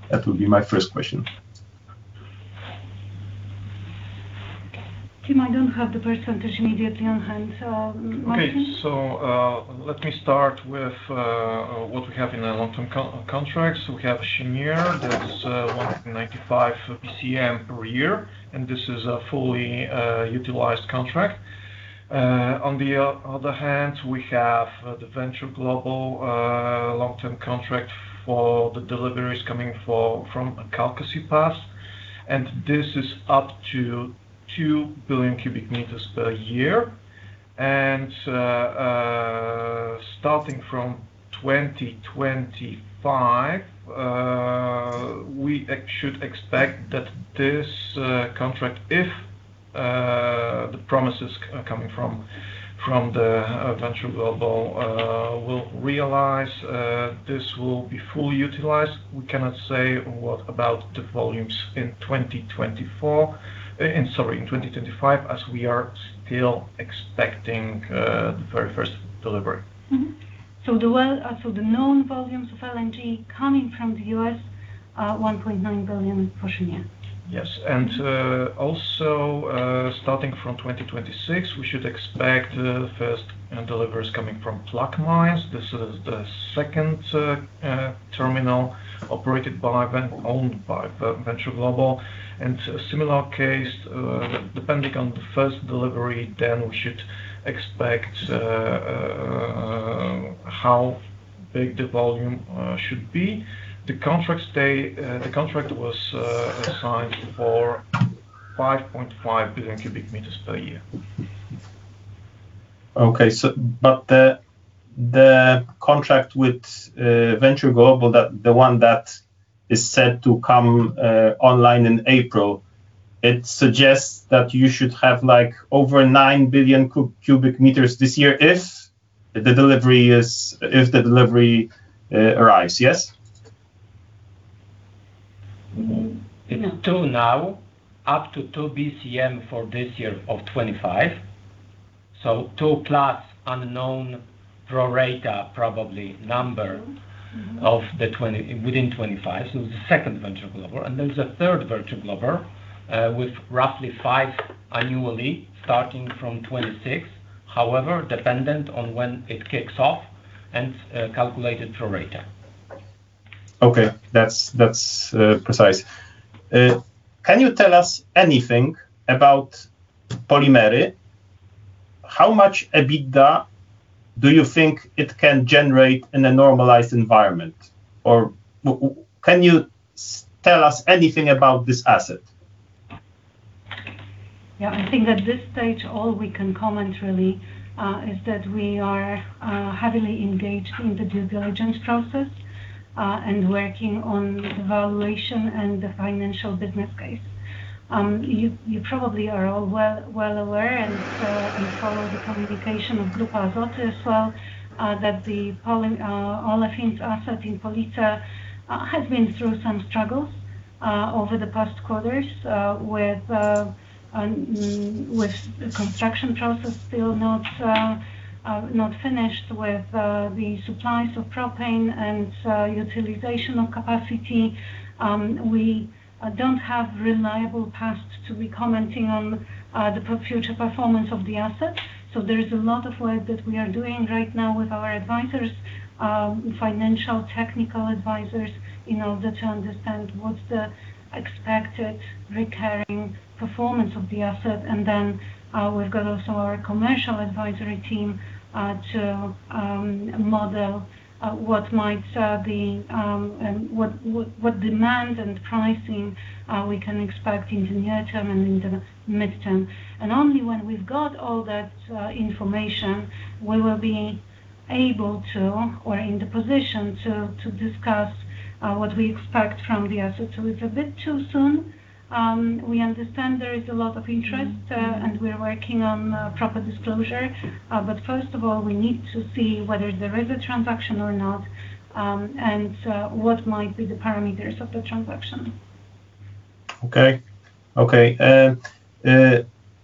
That would be my first question. Team, I don't have the percentage immediately on hand, so Marcin? Okay. So, let me start with what we have in our long-term contracts. We have Cheniere, that's 1.95 BCM per year, and this is a fully utilized contract. On the other hand, we have the Venture Global long-term contract for the deliveries coming from Calcasieu Pass, and this is up to 2 billion cubic meters per year. And, starting from 2025, we should expect that this contract, if the promises coming from the Venture Global will realize, this will be fully utilized. We cannot say what about the volumes in 2024, sorry, in 2025, as we are still expecting the very first delivery. Mm-hmm. So the known volumes of LNG coming from the U.S. are 1.9 billion for Cheniere? Yes. Also, starting from 2026, we should expect first deliveries coming from Plaquemines. This is the second terminal owned by Venture Global. And a similar case, depending on the first delivery, then we should expect how big the volume should be. The contract states the contract was assigned for 5.5 billion cubic meters per year. Okay, but the contract with Venture Global, the one that is set to come online in April, it suggests that you should have, like, over 9 billion cubic meters this year if the delivery arrives, yes? Mm-hmm. It is two now, up to two BCM for this year of 2025. So two plus unknown pro rata, probably number- Mm-hmm ... of the 20, within 25, so the second Venture Global. And there's a third Venture Global, with roughly five annually, starting from 2026. However, dependent on when it kicks off and, calculated pro rata. Okay, that's precise. Can you tell us anything about Polimery? How much EBITDA do you think it can generate in a normalized environment? Or can you tell us anything about this asset? Yeah, I think at this stage, all we can comment really is that we are heavily engaged in the due diligence process and working on the valuation and the financial business case. You probably are all well aware and follow the communication of Grupa Azoty as well, that the polyolefins asset in Police has been through some struggles over the past quarters with the construction process still not finished with the supplies of propane and utilization of capacity. We don't have reliable paths to be commenting on the future performance of the asset. So there's a lot of work that we are doing right now with our advisors, financial, technical advisors, in order to understand what's the expected recurring performance of the asset. Then, we've got also our commercial advisory team to model what might be and what demand and pricing we can expect in the near term and in the midterm. And only when we've got all that information, we will be able to or in the position to discuss what we expect from the asset. So it's a bit too soon. We understand there is a lot of interest, and we're working on proper disclosure. But first of all, we need to see whether there is a transaction or not, and what might be the parameters of the transaction. Okay. Okay,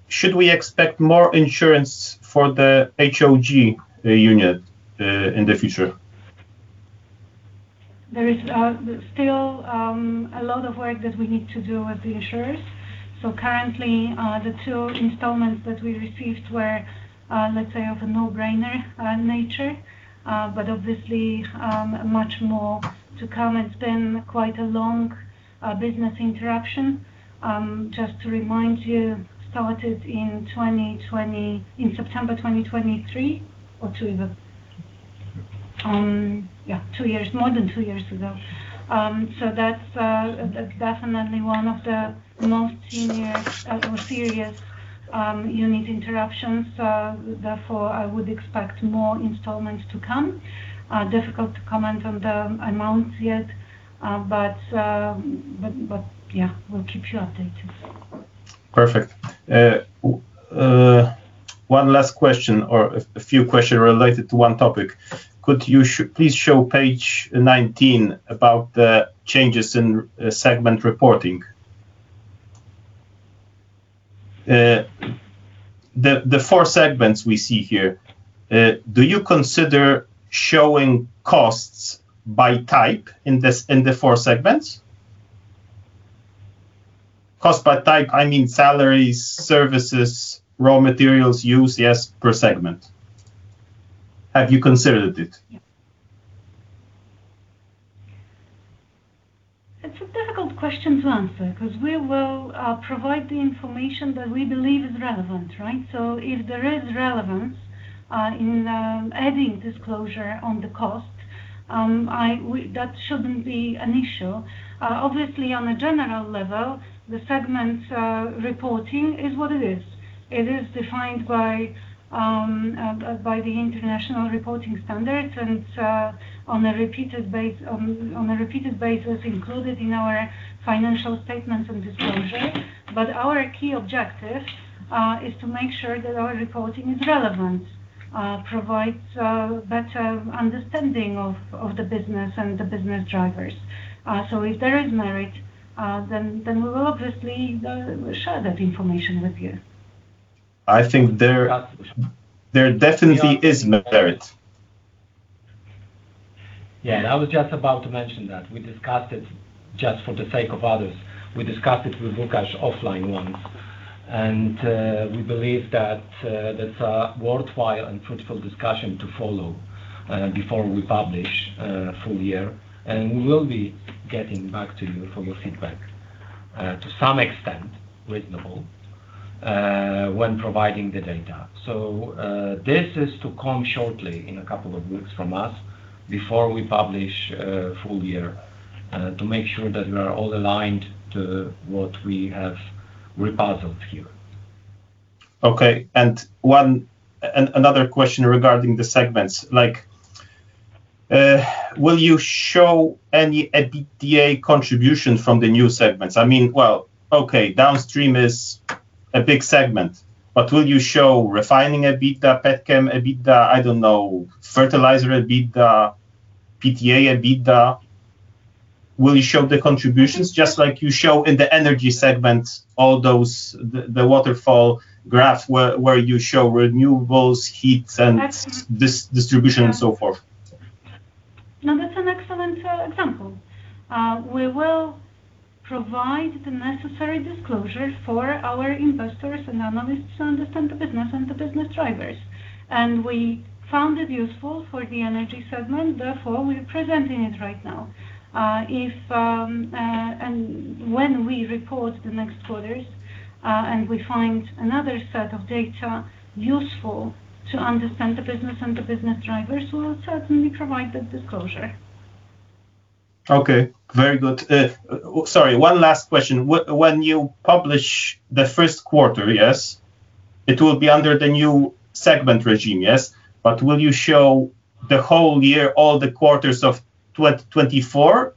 should we expect more insurance for the HOG unit in the future? There is still a lot of work that we need to do with the insurers. So currently, the two installments that we received were, let's say, of a no-brainer nature. But obviously, much more to come. It's been quite a long business interruption. Just to remind you, it started in September 2023, two years ago. Yeah, two years, more than two years ago. So that's definitely one of the most senior or serious unit interruptions. Therefore, I would expect more installments to come. Difficult to comment on the amounts yet, but yeah, we'll keep you updated. Perfect. One last question, or a few questions related to one topic. Could you please show page 19 about the changes in segment reporting? The four segments we see here, do you consider showing costs by type in the four segments? Cost by type, I mean salaries, services, raw materials used, yes, per segment. Have you considered it? It's a difficult question to answer, 'cause we will provide the information that we believe is relevant, right? So if there is relevance in adding disclosure on the cost, that shouldn't be an issue. Obviously, on a general level, the segment reporting is what it is. It is defined by the International Reporting Standards, and on a repeated basis, included in our financial statements and disclosure. But our key objective is to make sure that our reporting is relevant, provides better understanding of the business and the business drivers. So if there is merit, then we will obviously share that information with you. I think there definitely is merit. Yeah, and I was just about to mention that. We discussed it, just for the sake of others, we discussed it with Łukasz offline once, and we believe that that's a worthwhile and fruitful discussion to follow before we publish full year. And we will be getting back to you for your feedback to some extent, reasonable, when providing the data. So, this is to come shortly in a couple of weeks from us before we publish full year to make sure that we are all aligned to what we have repurposed here. Okay, another question regarding the segments. Like, will you show any EBITDA contribution from the new segments? I mean, well, okay, Downstream is a big segment, but will you show Refining EBITDA, Petchem EBITDA, I don't know, fertilizer EBITDA, PTA EBITDA? Will you show the contributions just like you show in the energy segment, all those, the waterfall graph where you show renewables, heats, and- Ex- distribution and so forth? No, that's an excellent example. We will provide the necessary disclosure for our investors and analysts to understand the business and the business drivers. And we found it useful for the energy segment, therefore, we're presenting it right now. And when we report the next quarters, and we find another set of data useful to understand the business and the business drivers, we'll certainly provide the disclosure. Okay, very good. Sorry, one last question. When you publish the first quarter, yes, it will be under the new segment regime, yes? But will you show the whole year, all the quarters of 2024,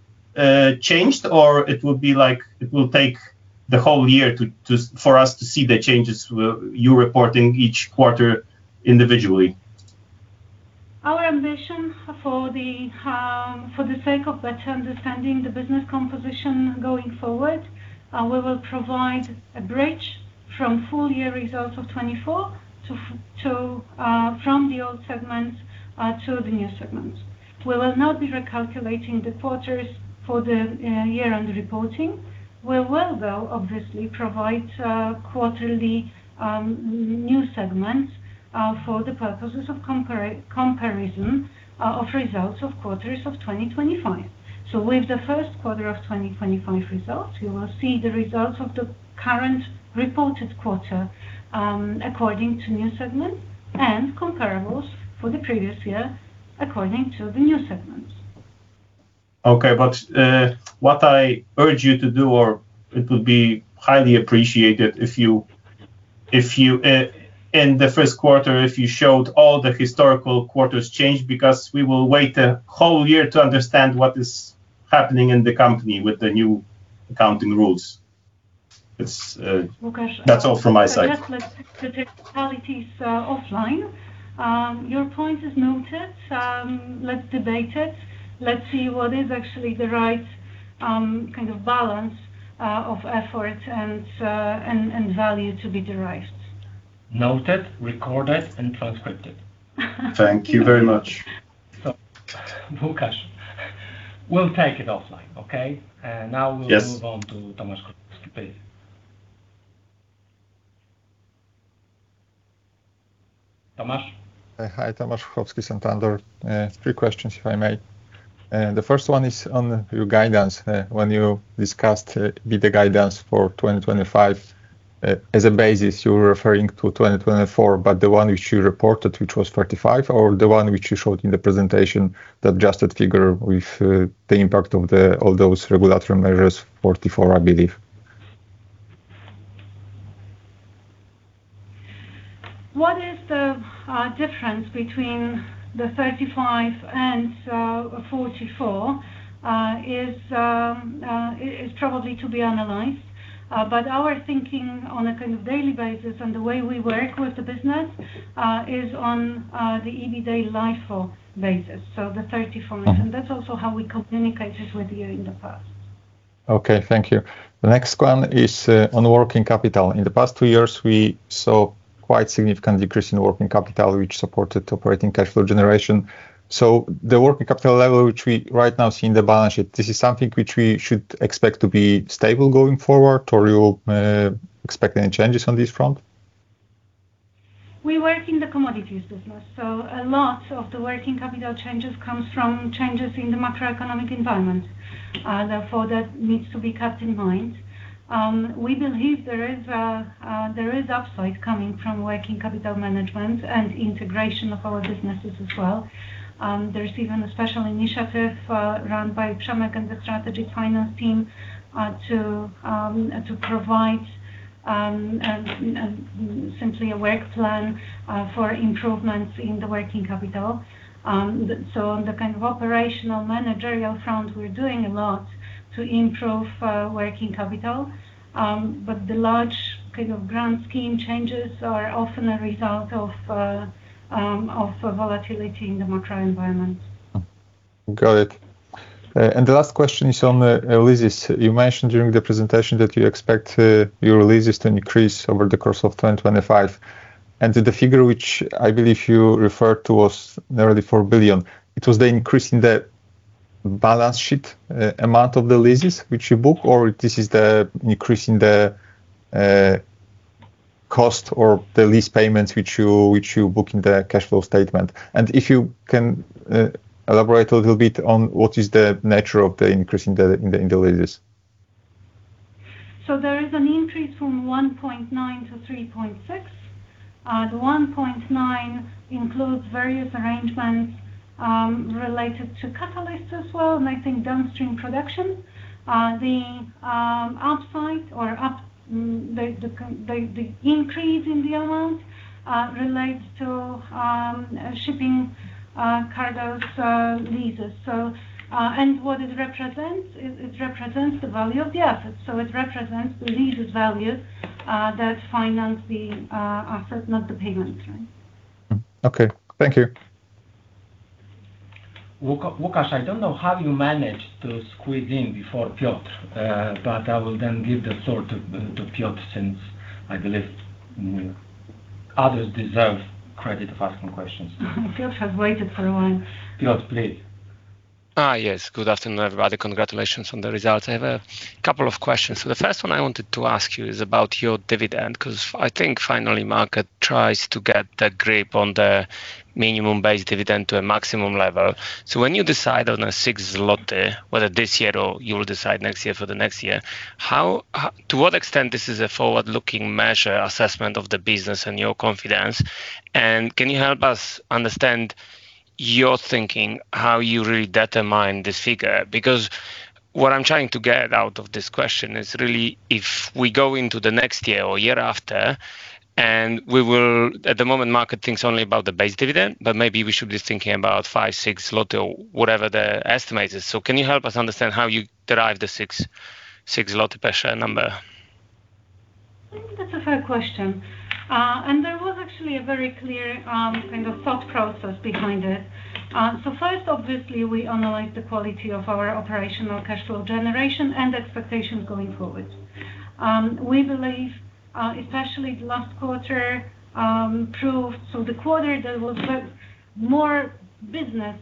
changed, or it will be like, it will take the whole year to, for us to see the changes, you reporting each quarter individually? Our ambition for the sake of better understanding the business composition going forward, we will provide a bridge from full year results of 2024 to from the old segments to the new segments. We will not be recalculating the quarters for the year-end reporting. We will, though, obviously, provide quarterly new segments for the purposes of comparison of results of quarters of 2025. So with the first quarter of 2025 results, you will see the results of the current reported quarter according to new segments, and comparables for the previous year, according to the new segments. Okay, but, what I urge you to do, or it would be highly appreciated if you, in the first quarter, if you showed all the historical quarters change, because we will wait a whole year to understand what is happening in the company with the new accounting rules. It's, Łukasz- That's all from my side. Let's take the technicalities offline. Your point is noted. Let's debate it. Let's see what is actually the right kind of balance of effort and value to be derived. Noted, recorded, and transcribed it. Thank you very much. So, Łukasz, we'll take it offline, okay? Now we'll- Yes... move on to Tomasz Krukowski, please. Tomasz? Hi, Tomasz Krukowski, Santander. Three questions, if I may. The first one is on your guidance. When you discussed with the guidance for 2025, as a basis, you were referring to 2024, but the one which you reported, which was 35, or the one which you showed in the presentation, the adjusted figure with the impact of all those regulatory measures, 44, I believe? What is the difference between the 35 and 44 is probably to be analyzed. But our thinking on a kind of daily basis and the way we work with the business is on the EBITDA LIFO basis, so the 34. Mm-hmm. That's also how we communicated with you in the past. Okay, thank you. The next one is on working capital. In the past two years, we saw quite significant decrease in working capital, which supported operating cash flow generation. So the working capital level, which we right now see in the balance sheet, this is something which we should expect to be stable going forward, or you expect any changes on this front? We work in the commodities business, so a lot of the working capital changes comes from changes in the macroeconomic environment. Therefore, that needs to be kept in mind. We believe there is upside coming from working capital management and integration of our businesses as well. There's even a special initiative run by Przemek and the strategy finance team to provide simply a work plan for improvements in the working capital. So on the kind of operational managerial front, we're doing a lot to improve working capital. But the large kind of grand scheme changes are often a result of volatility in the macro environment. Got it. And the last question is on leases. You mentioned during the presentation that you expect your leases to increase over the course of 2025, and the figure, which I believe you referred to was nearly 4 billion. It was the increase in the balance sheet amount of the leases which you book, or this is the increase in the cost or the lease payments which you book in the cash flow statement? And if you can elaborate a little bit on what is the nature of the increase in the leases. There is an increase from 1.9 to 3.6. The 1.9 includes various arrangements related to catalyst as well, and I think Downstream production. The upside or the increase in the amount relates to shipping cargos leases. And what it represents is it represents the value of the assets. So it represents the leases value that finance the asset, not the payment. Right. Mm. Okay. Thank you. Łukasz, I don't know how you managed to squeeze in before Piotr, but I will then give the floor to Piotr, since I believe others deserve credit for asking questions. Piotr has waited for a while. Piotr, please. Ah, yes. Good afternoon, everybody. Congratulations on the results. I have a couple of questions. So the first one I wanted to ask you is about your dividend, 'cause I think finally, market tries to get a grip on the minimum base dividend to a maximum level. So when you decide on a 6, whether this year or you will decide next year for the next year, how, to what extent this is a forward-looking measure assessment of the business and your confidence? And can you help us understand your thinking, how you really determine this figure? Because what I'm trying to get out of this question is really if we go into the next year or year after, and we will... At the moment, market thinks only about the base dividend, but maybe we should be thinking about 5, 6 or whatever the estimate is. Can you help us understand how you derive the 6.6 PLN per share number? I think that's a fair question. And there was actually a very clear, kind of thought process behind it. So first, obviously, we analyzed the quality of our operational cash flow generation and expectations going forward. We believe, especially the last quarter, proved so the quarter that was more business,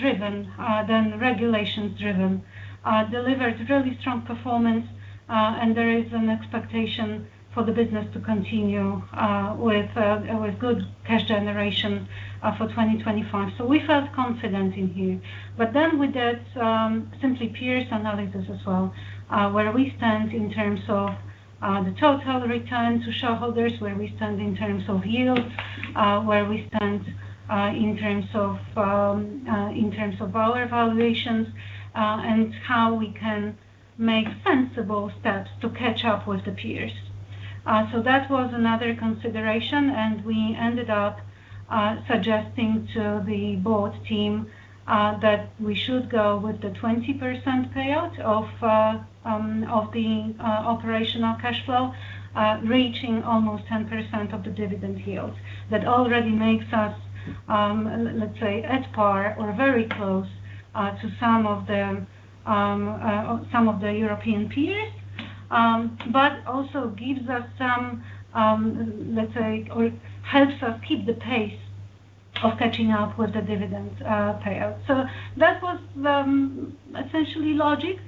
driven, than regulations driven, delivered really strong performance, and there is an expectation for the business to continue, with, with good cash generation, for 2025. So we felt confident in here. But then we did, simply peer analysis as well, where we stand in terms of, the total return to shareholders, where we stand in terms of yield. Where we stand, in terms of our evaluations, and how we can make sensible steps to catch up with the peers. So that was another consideration, and we ended up suggesting to the board team that we should go with the 20% payout of the operational cash flow, reaching almost 10% of the dividend yield. That already makes us, let's say, at par or very close to some of the European peers. But also gives us some, let's say, or helps us keep the pace of catching up with the dividend payout. So that was the essential logic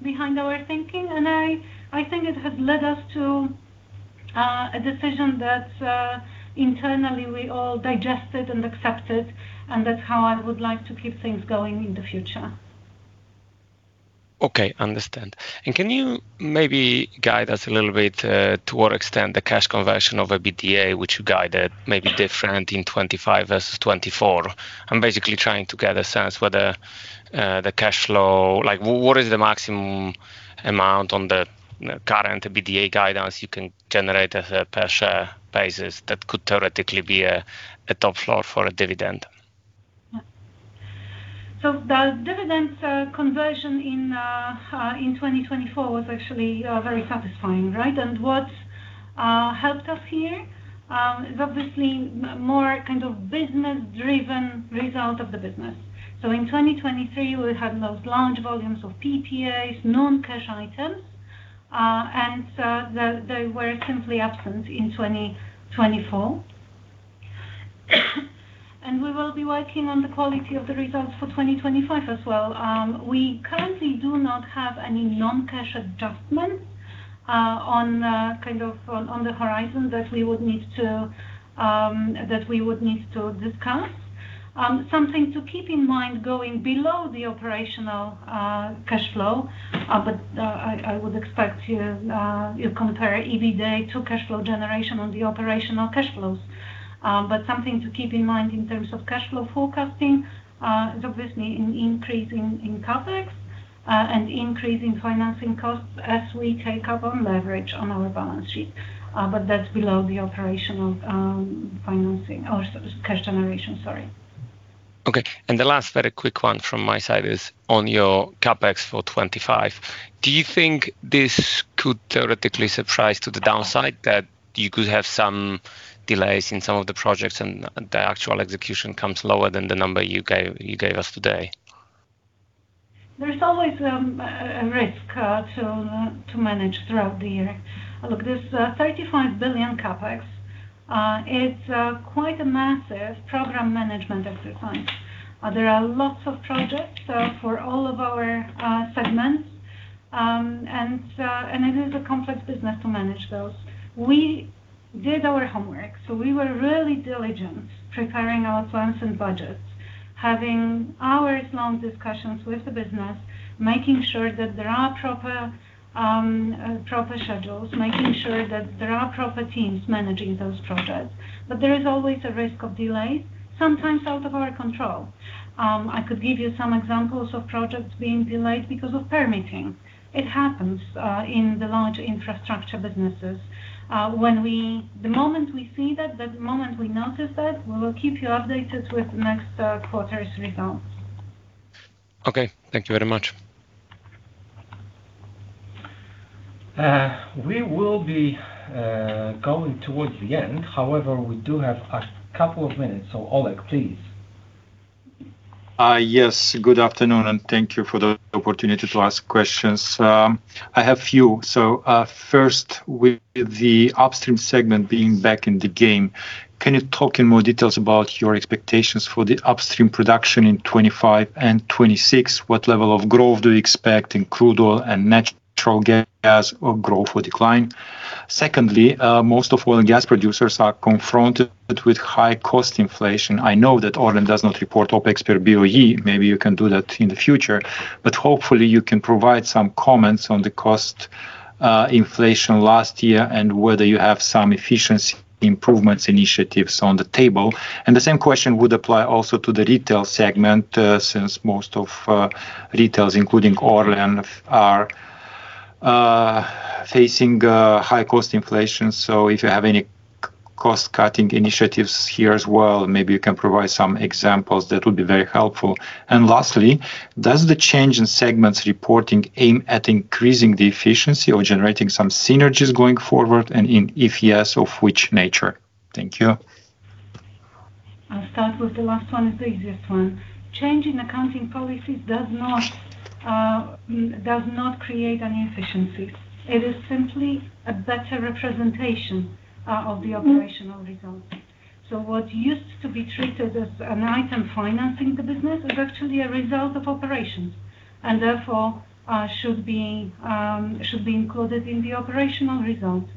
behind our thinking, and I think it has led us to a decision that internally we all digested and accepted, and that's how I would like to keep things going in the future. Okay. Understand. And can you maybe guide us a little bit to what extent the cash conversion of EBITDA, which you guided, may be different in 2025 versus 2024? I'm basically trying to get a sense whether the cash flow... Like, what is the maximum amount on the current EBITDA guidance you can generate as a per share basis that could theoretically be a top floor for a dividend? So the dividends conversion in 2024 was actually very satisfying, right? And what helped us here is obviously more kind of business-driven result of the business. So in 2023, we had those large volumes of PTAs, non-cash items, and they were simply absent in 2024. And we will be working on the quality of the results for 2025 as well. We currently do not have any non-cash adjustments on kind of on the horizon that we would need to discount. Something to keep in mind going below the operational cash flow, but I would expect you compare EBITDA to cash flow generation on the operational cash flows. But something to keep in mind in terms of cash flow forecasting is obviously an increase in CapEx and increase in financing costs as we take up on leverage on our balance sheet, but that's below the operational financing or cash generation. Okay. And the last very quick one from my side is on your CapEx for 2025, do you think this could theoretically surprise to the downside, that you could have some delays in some of the projects and the actual execution comes lower than the number you gave, you gave us today? There's always a risk to manage throughout the year. Look, this 35 billion CapEx is quite a massive program management exercise. There are lots of projects for all of our segments, and it is a complex business to manage those. We did our homework, so we were really diligent, preparing our plans and budgets, having hours-long discussions with the business, making sure that there are proper schedules, making sure that there are proper teams managing those projects. But there is always a risk of delays, sometimes out of our control. I could give you some examples of projects being delayed because of permitting. It happens in the large infrastructure businesses. The moment we see that, the moment we notice that, we will keep you updated with next quarter's results. Okay, thank you very much. We will be going towards the end. However, we do have a couple of minutes. So, Oleg, please. Yes. Good afternoon, and thank you for the opportunity to ask questions. I have a few. So, first, with the Upstream segment being back in the game, can you talk in more details about your expectations for the Upstream production in 2025 and 2026? What level of growth do you expect in crude oil and natural gas, or growth or decline? Secondly, most of oil and gas producers are confronted with high cost inflation. I know that ORLEN does not report OpEx per BOE. Maybe you can do that in the future, but hopefully, you can provide some comments on the cost, inflation last year and whether you have some efficiency improvements initiatives on the table. And the same question would apply also to the Retail segment, since most of, retailers, including ORLEN, are facing high cost inflation. So if you have any cost-cutting initiatives here as well, maybe you can provide some examples. That would be very helpful. And lastly, does the change in segments reporting aim at increasing the efficiency or generating some synergies going forward? And if yes, of which nature? Thank you. I'll start with the last one, the easiest one. Changing accounting policies does not create any efficiencies. It is simply a better representation of the operational results. So what used to be treated as an item financing the business is actually a result of operations, and therefore should be included in the operational results.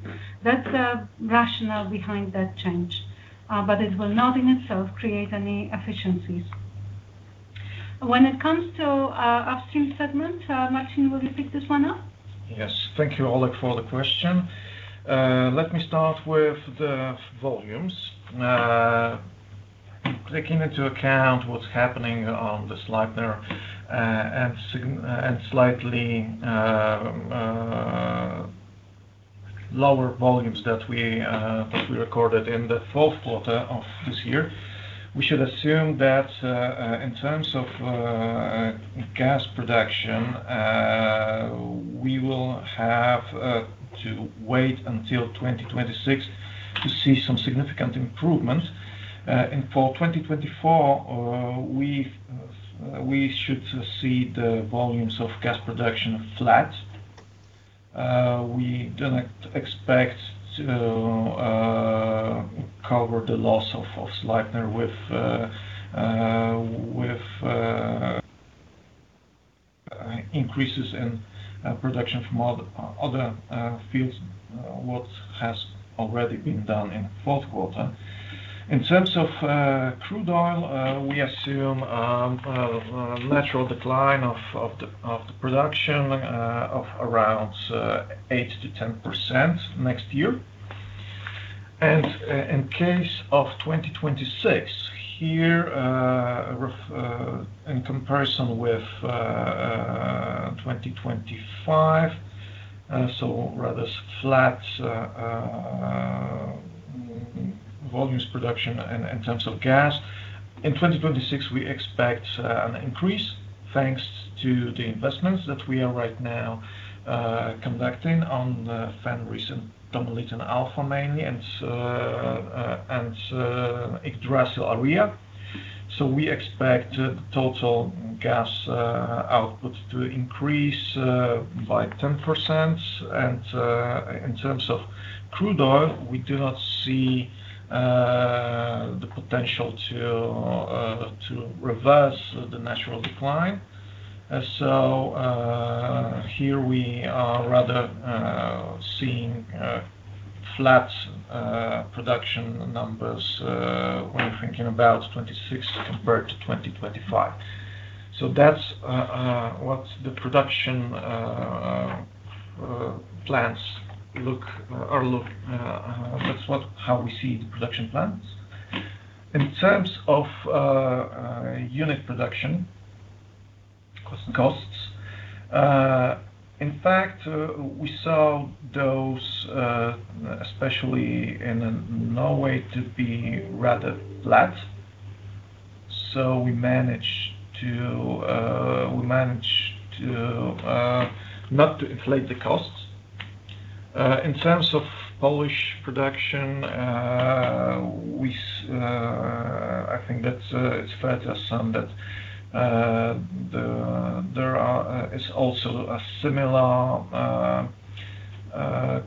That's the rationale behind that change, but it will not, in itself, create any efficiencies. When it comes to Upstream segment, Marcin, will you pick this one up? Yes. Thank you, Oleg, for the question. Let me start with the volumes. Taking into account what's happening on the slide there, and sign- and slightly lower volumes that we recorded in the fourth quarter of this year, we should assume that, in terms of gas production, we will have to wait until 2026 to see some significant improvements. And for 2024, we should see the volumes of gas production flat. We do not expect to cover the loss of Sleipner with increases in production from other fields, what has already been done in fourth quarter. In terms of crude oil, we assume natural decline of the production of around 8%-10% next year. In case of 2026, here, rough in comparison with 2025, so rather flat volumes production in terms of gas. In 2026, we expect an increase, thanks to the investments that we are right now conducting on the Fenris and Tommeliten Alpha mainly, and Yggdrasil area. So we expect total gas output to increase by 10%. And in terms of crude oil, we do not see the potential to reverse the natural decline. So, here we are rather seeing flat production numbers when you're thinking about 2026 compared to 2025. So that's what the production plans look. That's what, how we see the production plans. In terms of unit production costs, in fact, we saw those especially in Norway to be rather flat. So we managed to not to inflate the costs. In terms of Polish production, I think that it's fair to assume that there is also a similar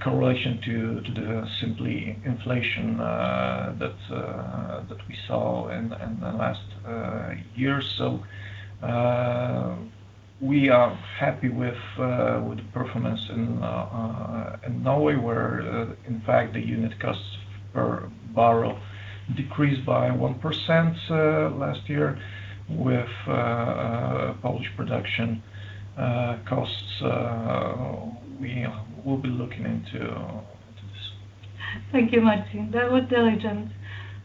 correlation to the simply inflation that we saw in the last year. We are happy with the performance in Norway, where in fact the unit costs per barrel decreased by 1% last year. With Polish production costs, we will be looking into this. Thank you, Marcin. That was diligent.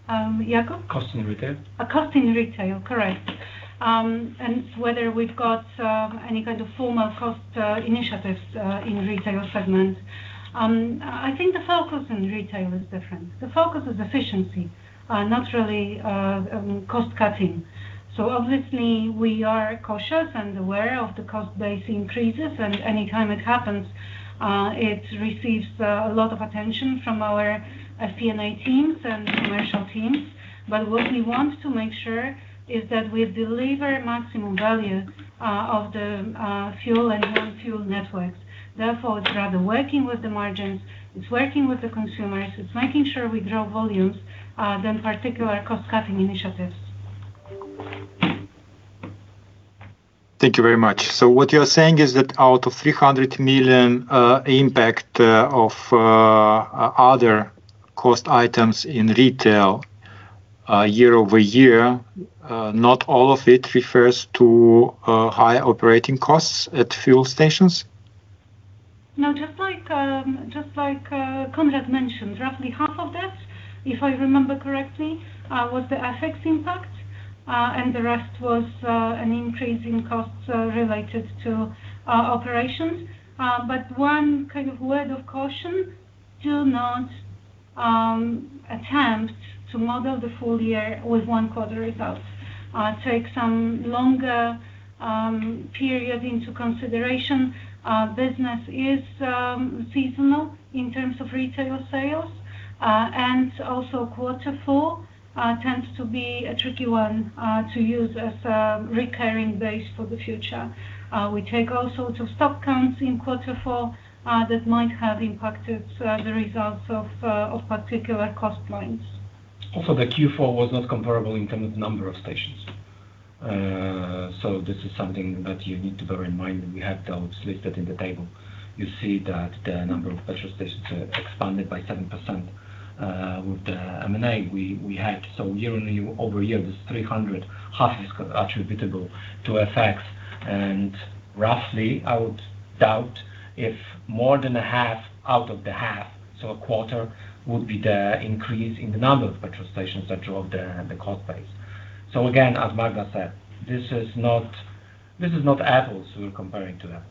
Jakub? Cost in Retail. Cost in Retail, correct. Whether we've got any kind of formal cost initiatives in Retail segment. I think the focus in Retail is different. The focus is efficiency, not really cost cutting. So obviously, we are cautious and aware of the cost base increases, and anytime it happens, it receives a lot of attention from our C&A teams and commercial teams. But what we want to make sure is that we deliver maximum value of the fuel and non-fuel networks. Therefore, it's rather working with the margins, it's working with the consumers, it's making sure we grow volumes than particular cost-cutting initiatives. Thank you very much. So what you're saying is that out of 300 million impact of other cost items in Retail year-over-year, not all of it refers to higher operating costs at fuel stations? No, just like, just like, Konrad mentioned, roughly half of that, if I remember correctly, was the FX impact, and the rest was, an increase in costs, related to, operations. But one kind of word of caution, do not, attempt to model the full year with one quarter results. Take some longer, period into consideration. Business is, seasonal in terms of retail sales. And also quarter four, tends to be a tricky one, to use as a recurring base for the future. We take all sorts of stock counts in quarter four, that might have impacted, the results of particular cost points. Also, the Q4 was not comparable in terms of number of stations. So, this is something that you need to bear in mind, and we have those listed in the table. You see that the number of petrol stations expanded by 7% with the M&A we had. So year over year, this 300.5 is co-attributable to FX. And roughly, I would doubt if more than a half out of the half, so a quarter, would be the increase in the number of petrol stations that drove the cost base. So again, as Magda said, this is not apples to apples here.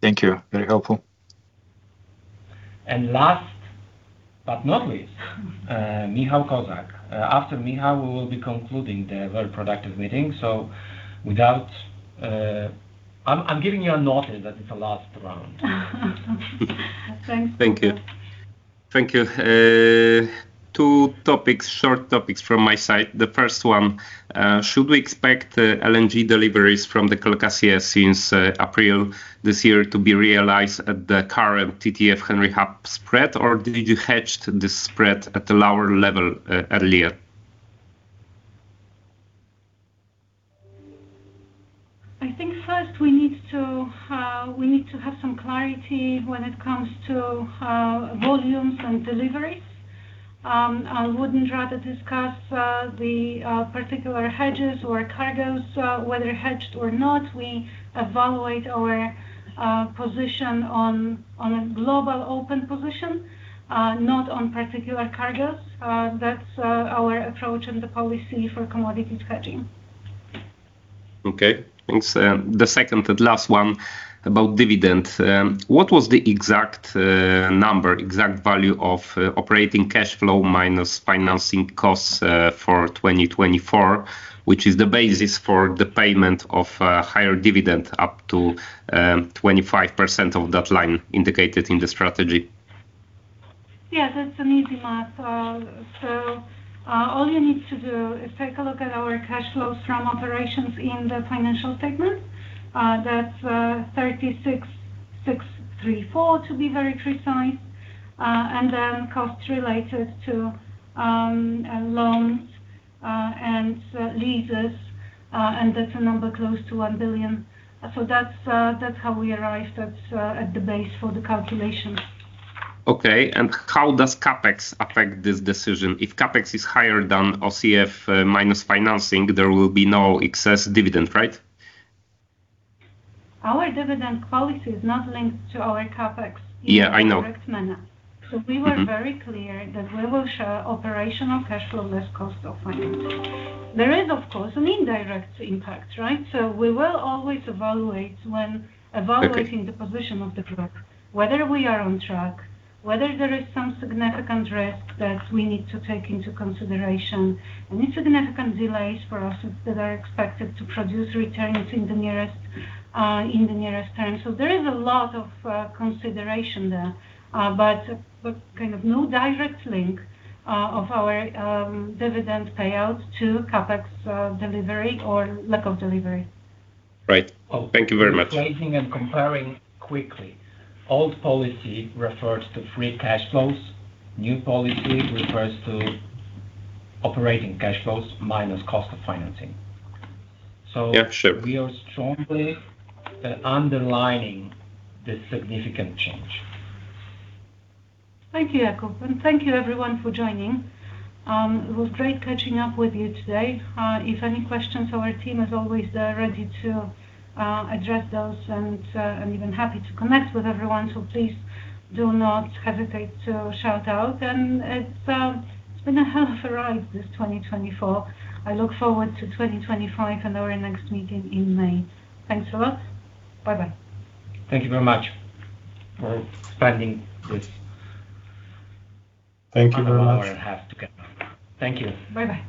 Thank you. Very helpful. And last, but not least, Michał Kozak. After Michał, we will be concluding the very productive meeting. So without... I'm, I'm giving you a notice that it's the last round. Thanks. Thank you. Thank you. Two topics, short topics from my side. The first one, should we expect the LNG deliveries from the Calcasieu since April this year to be realized at the current TTF Henry Hub spread, or did you hedge this spread at a lower level, earlier? I think first we need to have some clarity when it comes to volumes and deliveries. I wouldn't rather discuss the particular hedges or cargos whether hedged or not. We evaluate our position on a global open position not on particular cargos. That's our approach and the policy for commodities hedging. Okay, thanks. The second and last one about dividend. What was the exact number, exact value of operating cash flow minus financing costs for 2024, which is the basis for the payment of a higher dividend, up to 25% of that line indicated in the strategy? Yeah, that's an easy math. So, all you need to do is take a look at our cash flows from operations in the financial segment. That's 36,634, to be very precise. And then costs related to loans and leases, and that's a number close to 1 billion. So that's how we arrived at the base for the calculation. Okay. And how does CapEx affect this decision? If CapEx is higher than OCF minus financing, there will be no excess dividend, right? Our dividend policy is not linked to our CapEx- Yeah, I know.... in a direct manner. Mm-hmm. We were very clear that we will show operating cash flow less cost of financing. There is, of course, an indirect impact, right? We will always evaluate when evaluating- Okay... the position of the product, whether we are on track, whether there is some significant risk that we need to take into consideration, any significant delays for us that are expected to produce returns in the nearest term. So there is a lot of consideration there, but there's kind of no direct link of our dividend payout to CapEx delivery or lack of delivery. Right. Thank you very much. Placing and comparing quickly. Old policy refers to free cash flows. New policy refers to operating cash flows minus cost of financing. So- Yeah, sure... we are strongly underlining this significant change. Thank you, Jakub, and thank you everyone for joining. It was great catching up with you today. If any questions, our team is always ready to address those, and I'm even happy to connect with everyone, so please do not hesitate to shout out. It's been a hell of a ride, this 2024. I look forward to 2025 and our next meeting in May. Thanks a lot. Bye-bye. Thank you very much for spending this- Thank you very much.... hour and a half together. Thank you. Bye-bye.